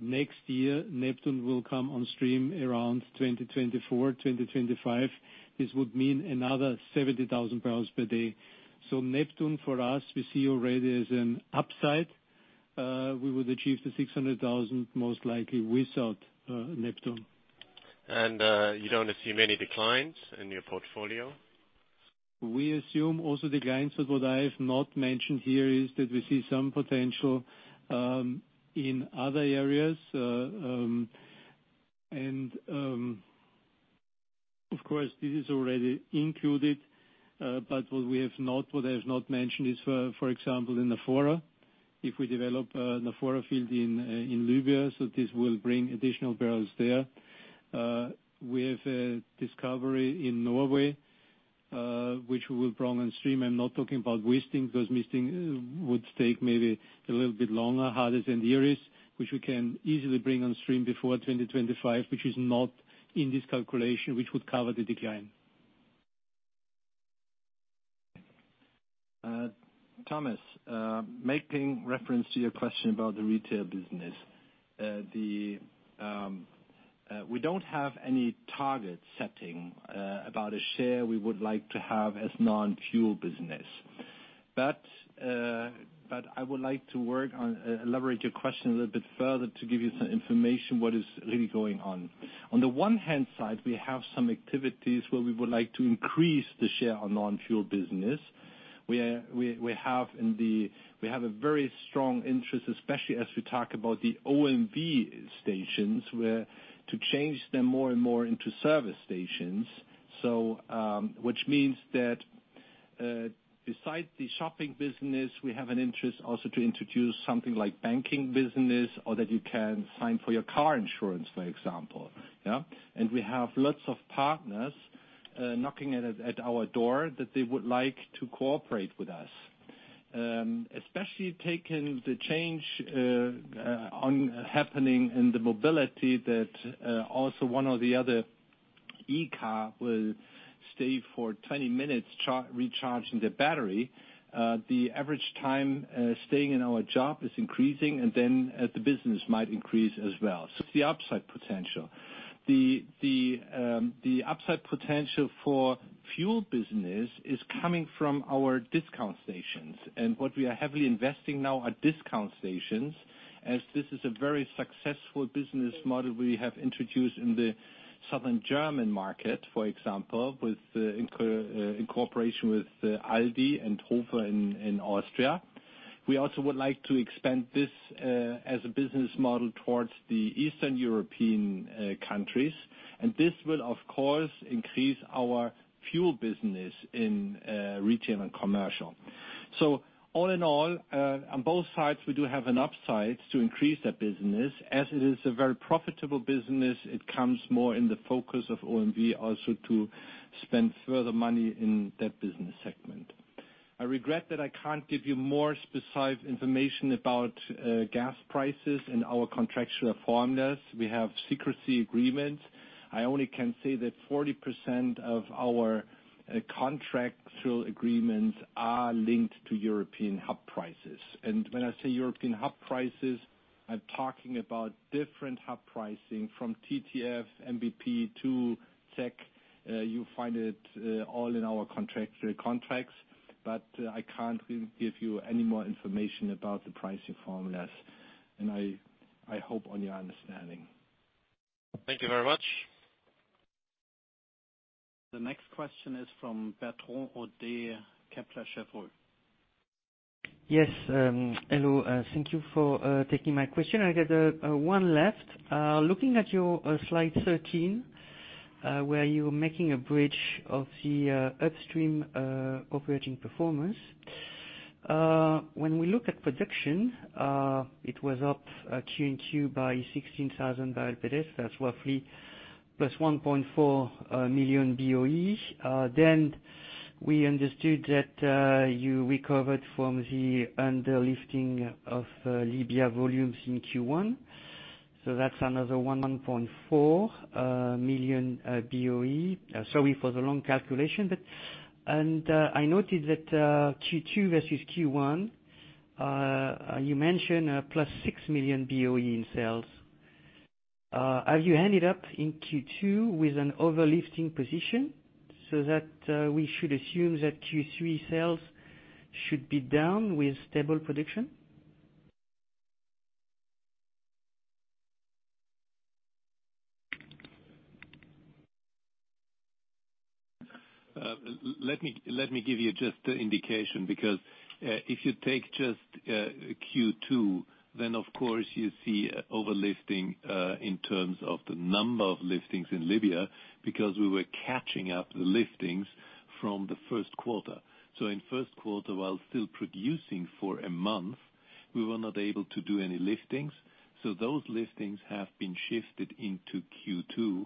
Speaker 11: next year, Neptun will come on stream around 2024, 2025. This would mean another 70,000 barrels per day. Neptun for us, we see already as an upside. We would achieve the 600,000 most likely without Neptun.
Speaker 16: You don't assume any declines in your portfolio?
Speaker 11: We assume also declines, but what I have not mentioned here is that we see some potential in other areas. Of course, this is already included. What I have not mentioned is for example, in Sharara, if we develop Sharara field in Libya. This will bring additional barrels there. We have a discovery in Norway which will bring on stream. I am not talking about Wisting, because Wisting would take maybe a little bit longer, harder than the Iris, which we can easily bring on stream before 2025, which is not in this calculation, which would cover the decline.
Speaker 3: Thomas, making reference to your question about the retail business. We don't have any target setting about a share we would like to have as non-fuel business. I would like to elaborate your question a little bit further to give you some information what is really going on. On the one-hand side, we have some activities where we would like to increase the share on non-fuel business. We have a very strong interest, especially as we talk about the OMV stations, where to change them more and more into service stations. Which means that besides the shopping business, we have an interest also to introduce something like banking business or that you can sign for your car insurance, for example. Yeah. We have lots of partners knocking at our door that they would like to cooperate with us. Especially taking the change happening in the mobility that also one or the other e-car will stay for 20 minutes recharging the battery. The average time staying in our shop is increasing, and then the business might increase as well. It's the upside potential. The upside potential for fuel business is coming from our discount stations and what we are heavily investing now are discount stations. This is a very successful business model we have introduced in the southern German market, for example, in cooperation with ALDI and Hofer in Austria. We also would like to expand this as a business model towards the Eastern European countries. This will of course increase our fuel business in retail and commercial. All in all on both sides, we do have an upside to increase that business. As it is a very profitable business, it comes more in the focus of OMV also to spend further money in that business segment. I regret that I can't give you more specific information about gas prices and our contractual formulas. We have secrecy agreements. I only can say that 40% of our contractual agreements are linked to European hub prices. When I say European hub prices, I'm talking about different hub pricing from TTF, NBP to CEHG. You find it all in our contracts. I can't give you any more information about the pricing formulas, and I hope on your understanding.
Speaker 16: Thank you very much.
Speaker 2: The next question is from Bertrand Hodée, Kepler Cheuvreux.
Speaker 17: Yes, hello. Thank you for taking my question. I got one left. Looking at your slide 13, where you're making a bridge of the upstream operating performance. When we look at production, it was up Q&Q by 16,000 barrel per day. That's roughly plus 1.4 million BOE. We understood that you recovered from the underlifting of Libya volumes in Q1. That's another 1.4 million BOE. Sorry for the long calculation. I noted that Q2 versus Q1, you mentioned plus 6 million BOE in sales. Have you ended up in Q2 with an over-lifting position so that we should assume that Q3 sales should be down with stable production?
Speaker 11: Let me give you just an indication, because if you take just Q2, then of course you see over-lifting in terms of the number of liftings in Libya, because we were catching up the liftings from the first quarter. In the first quarter, while still producing for a month, we were not able to do any liftings. Those liftings have been shifted into Q2.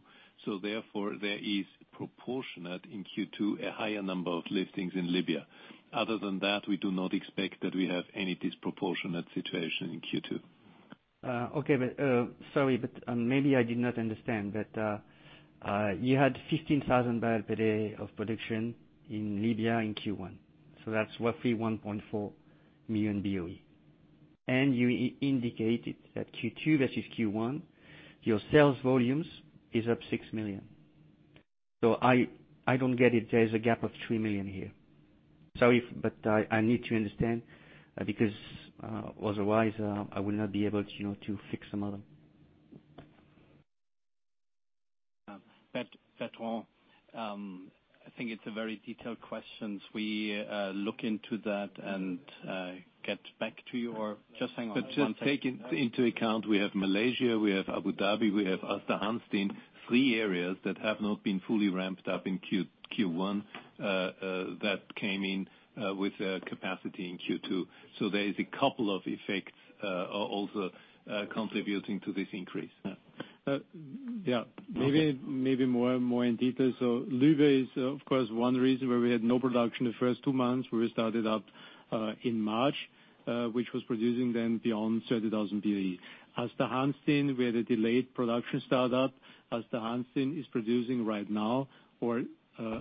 Speaker 11: Therefore, there is proportionate in Q2, a higher number of liftings in Libya. Other than that, we do not expect that we have any disproportionate situation in Q2.
Speaker 17: Okay. Sorry, maybe I did not understand. You had 15,000 barrel per day of production in Libya in Q1, so that's roughly 1.4 million BOE. You indicated that Q2 versus Q1, your sales volumes is up 6 million. I don't get it. There's a gap of 3 million here. Sorry, I need to understand because, otherwise, I will not be able to fix the model.
Speaker 11: Bertrand, I think it's a very detailed question. We look into that and get back to you. Just hang on one second.
Speaker 18: Take into account, we have Malaysia, we have Abu Dhabi, we have Aasta Hansteen, three areas that have not been fully ramped up in Q1, that came in with capacity in Q2. There is a couple of effects also contributing to this increase.
Speaker 11: Yeah. Maybe more in detail. Libya is, of course, one reason where we had no production the first two months, where we started up in March, which was producing then beyond 30,000 BOE. Aasta Hansteen, we had a delayed production start up. Aasta Hansteen is producing right now,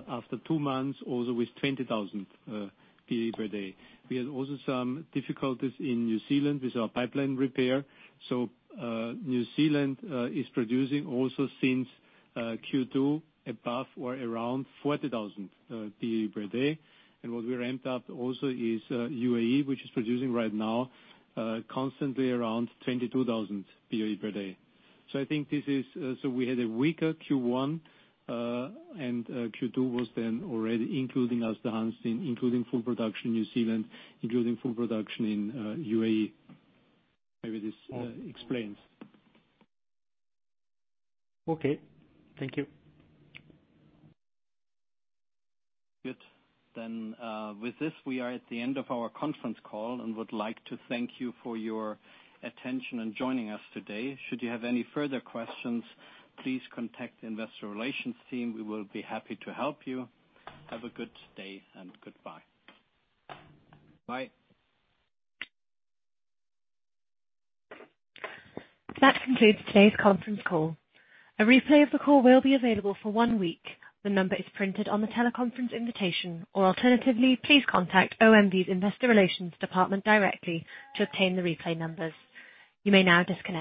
Speaker 11: after two months, also with 20,000 BOE per day. We had also some difficulties in New Zealand with our pipeline repair. New Zealand is producing also since Q2 above or around 40,000 BOE per day. What we ramped up also is UAE, which is producing right now constantly around 22,000 BOE per day. We had a weaker Q1, and Q2 was then already including Aasta Hansteen, including full production New Zealand, including full production in UAE. Maybe this explains.
Speaker 17: Okay. Thank you.
Speaker 2: Good. With this, we are at the end of our conference call and would like to thank you for your attention and joining us today. Should you have any further questions, please contact the investor relations team. We will be happy to help you. Have a good day and goodbye.
Speaker 18: Bye.
Speaker 1: That concludes today's conference call. A replay of the call will be available for one week. The number is printed on the teleconference invitation, or alternatively, please contact OMV's investor relations department directly to obtain the replay numbers. You may now disconnect.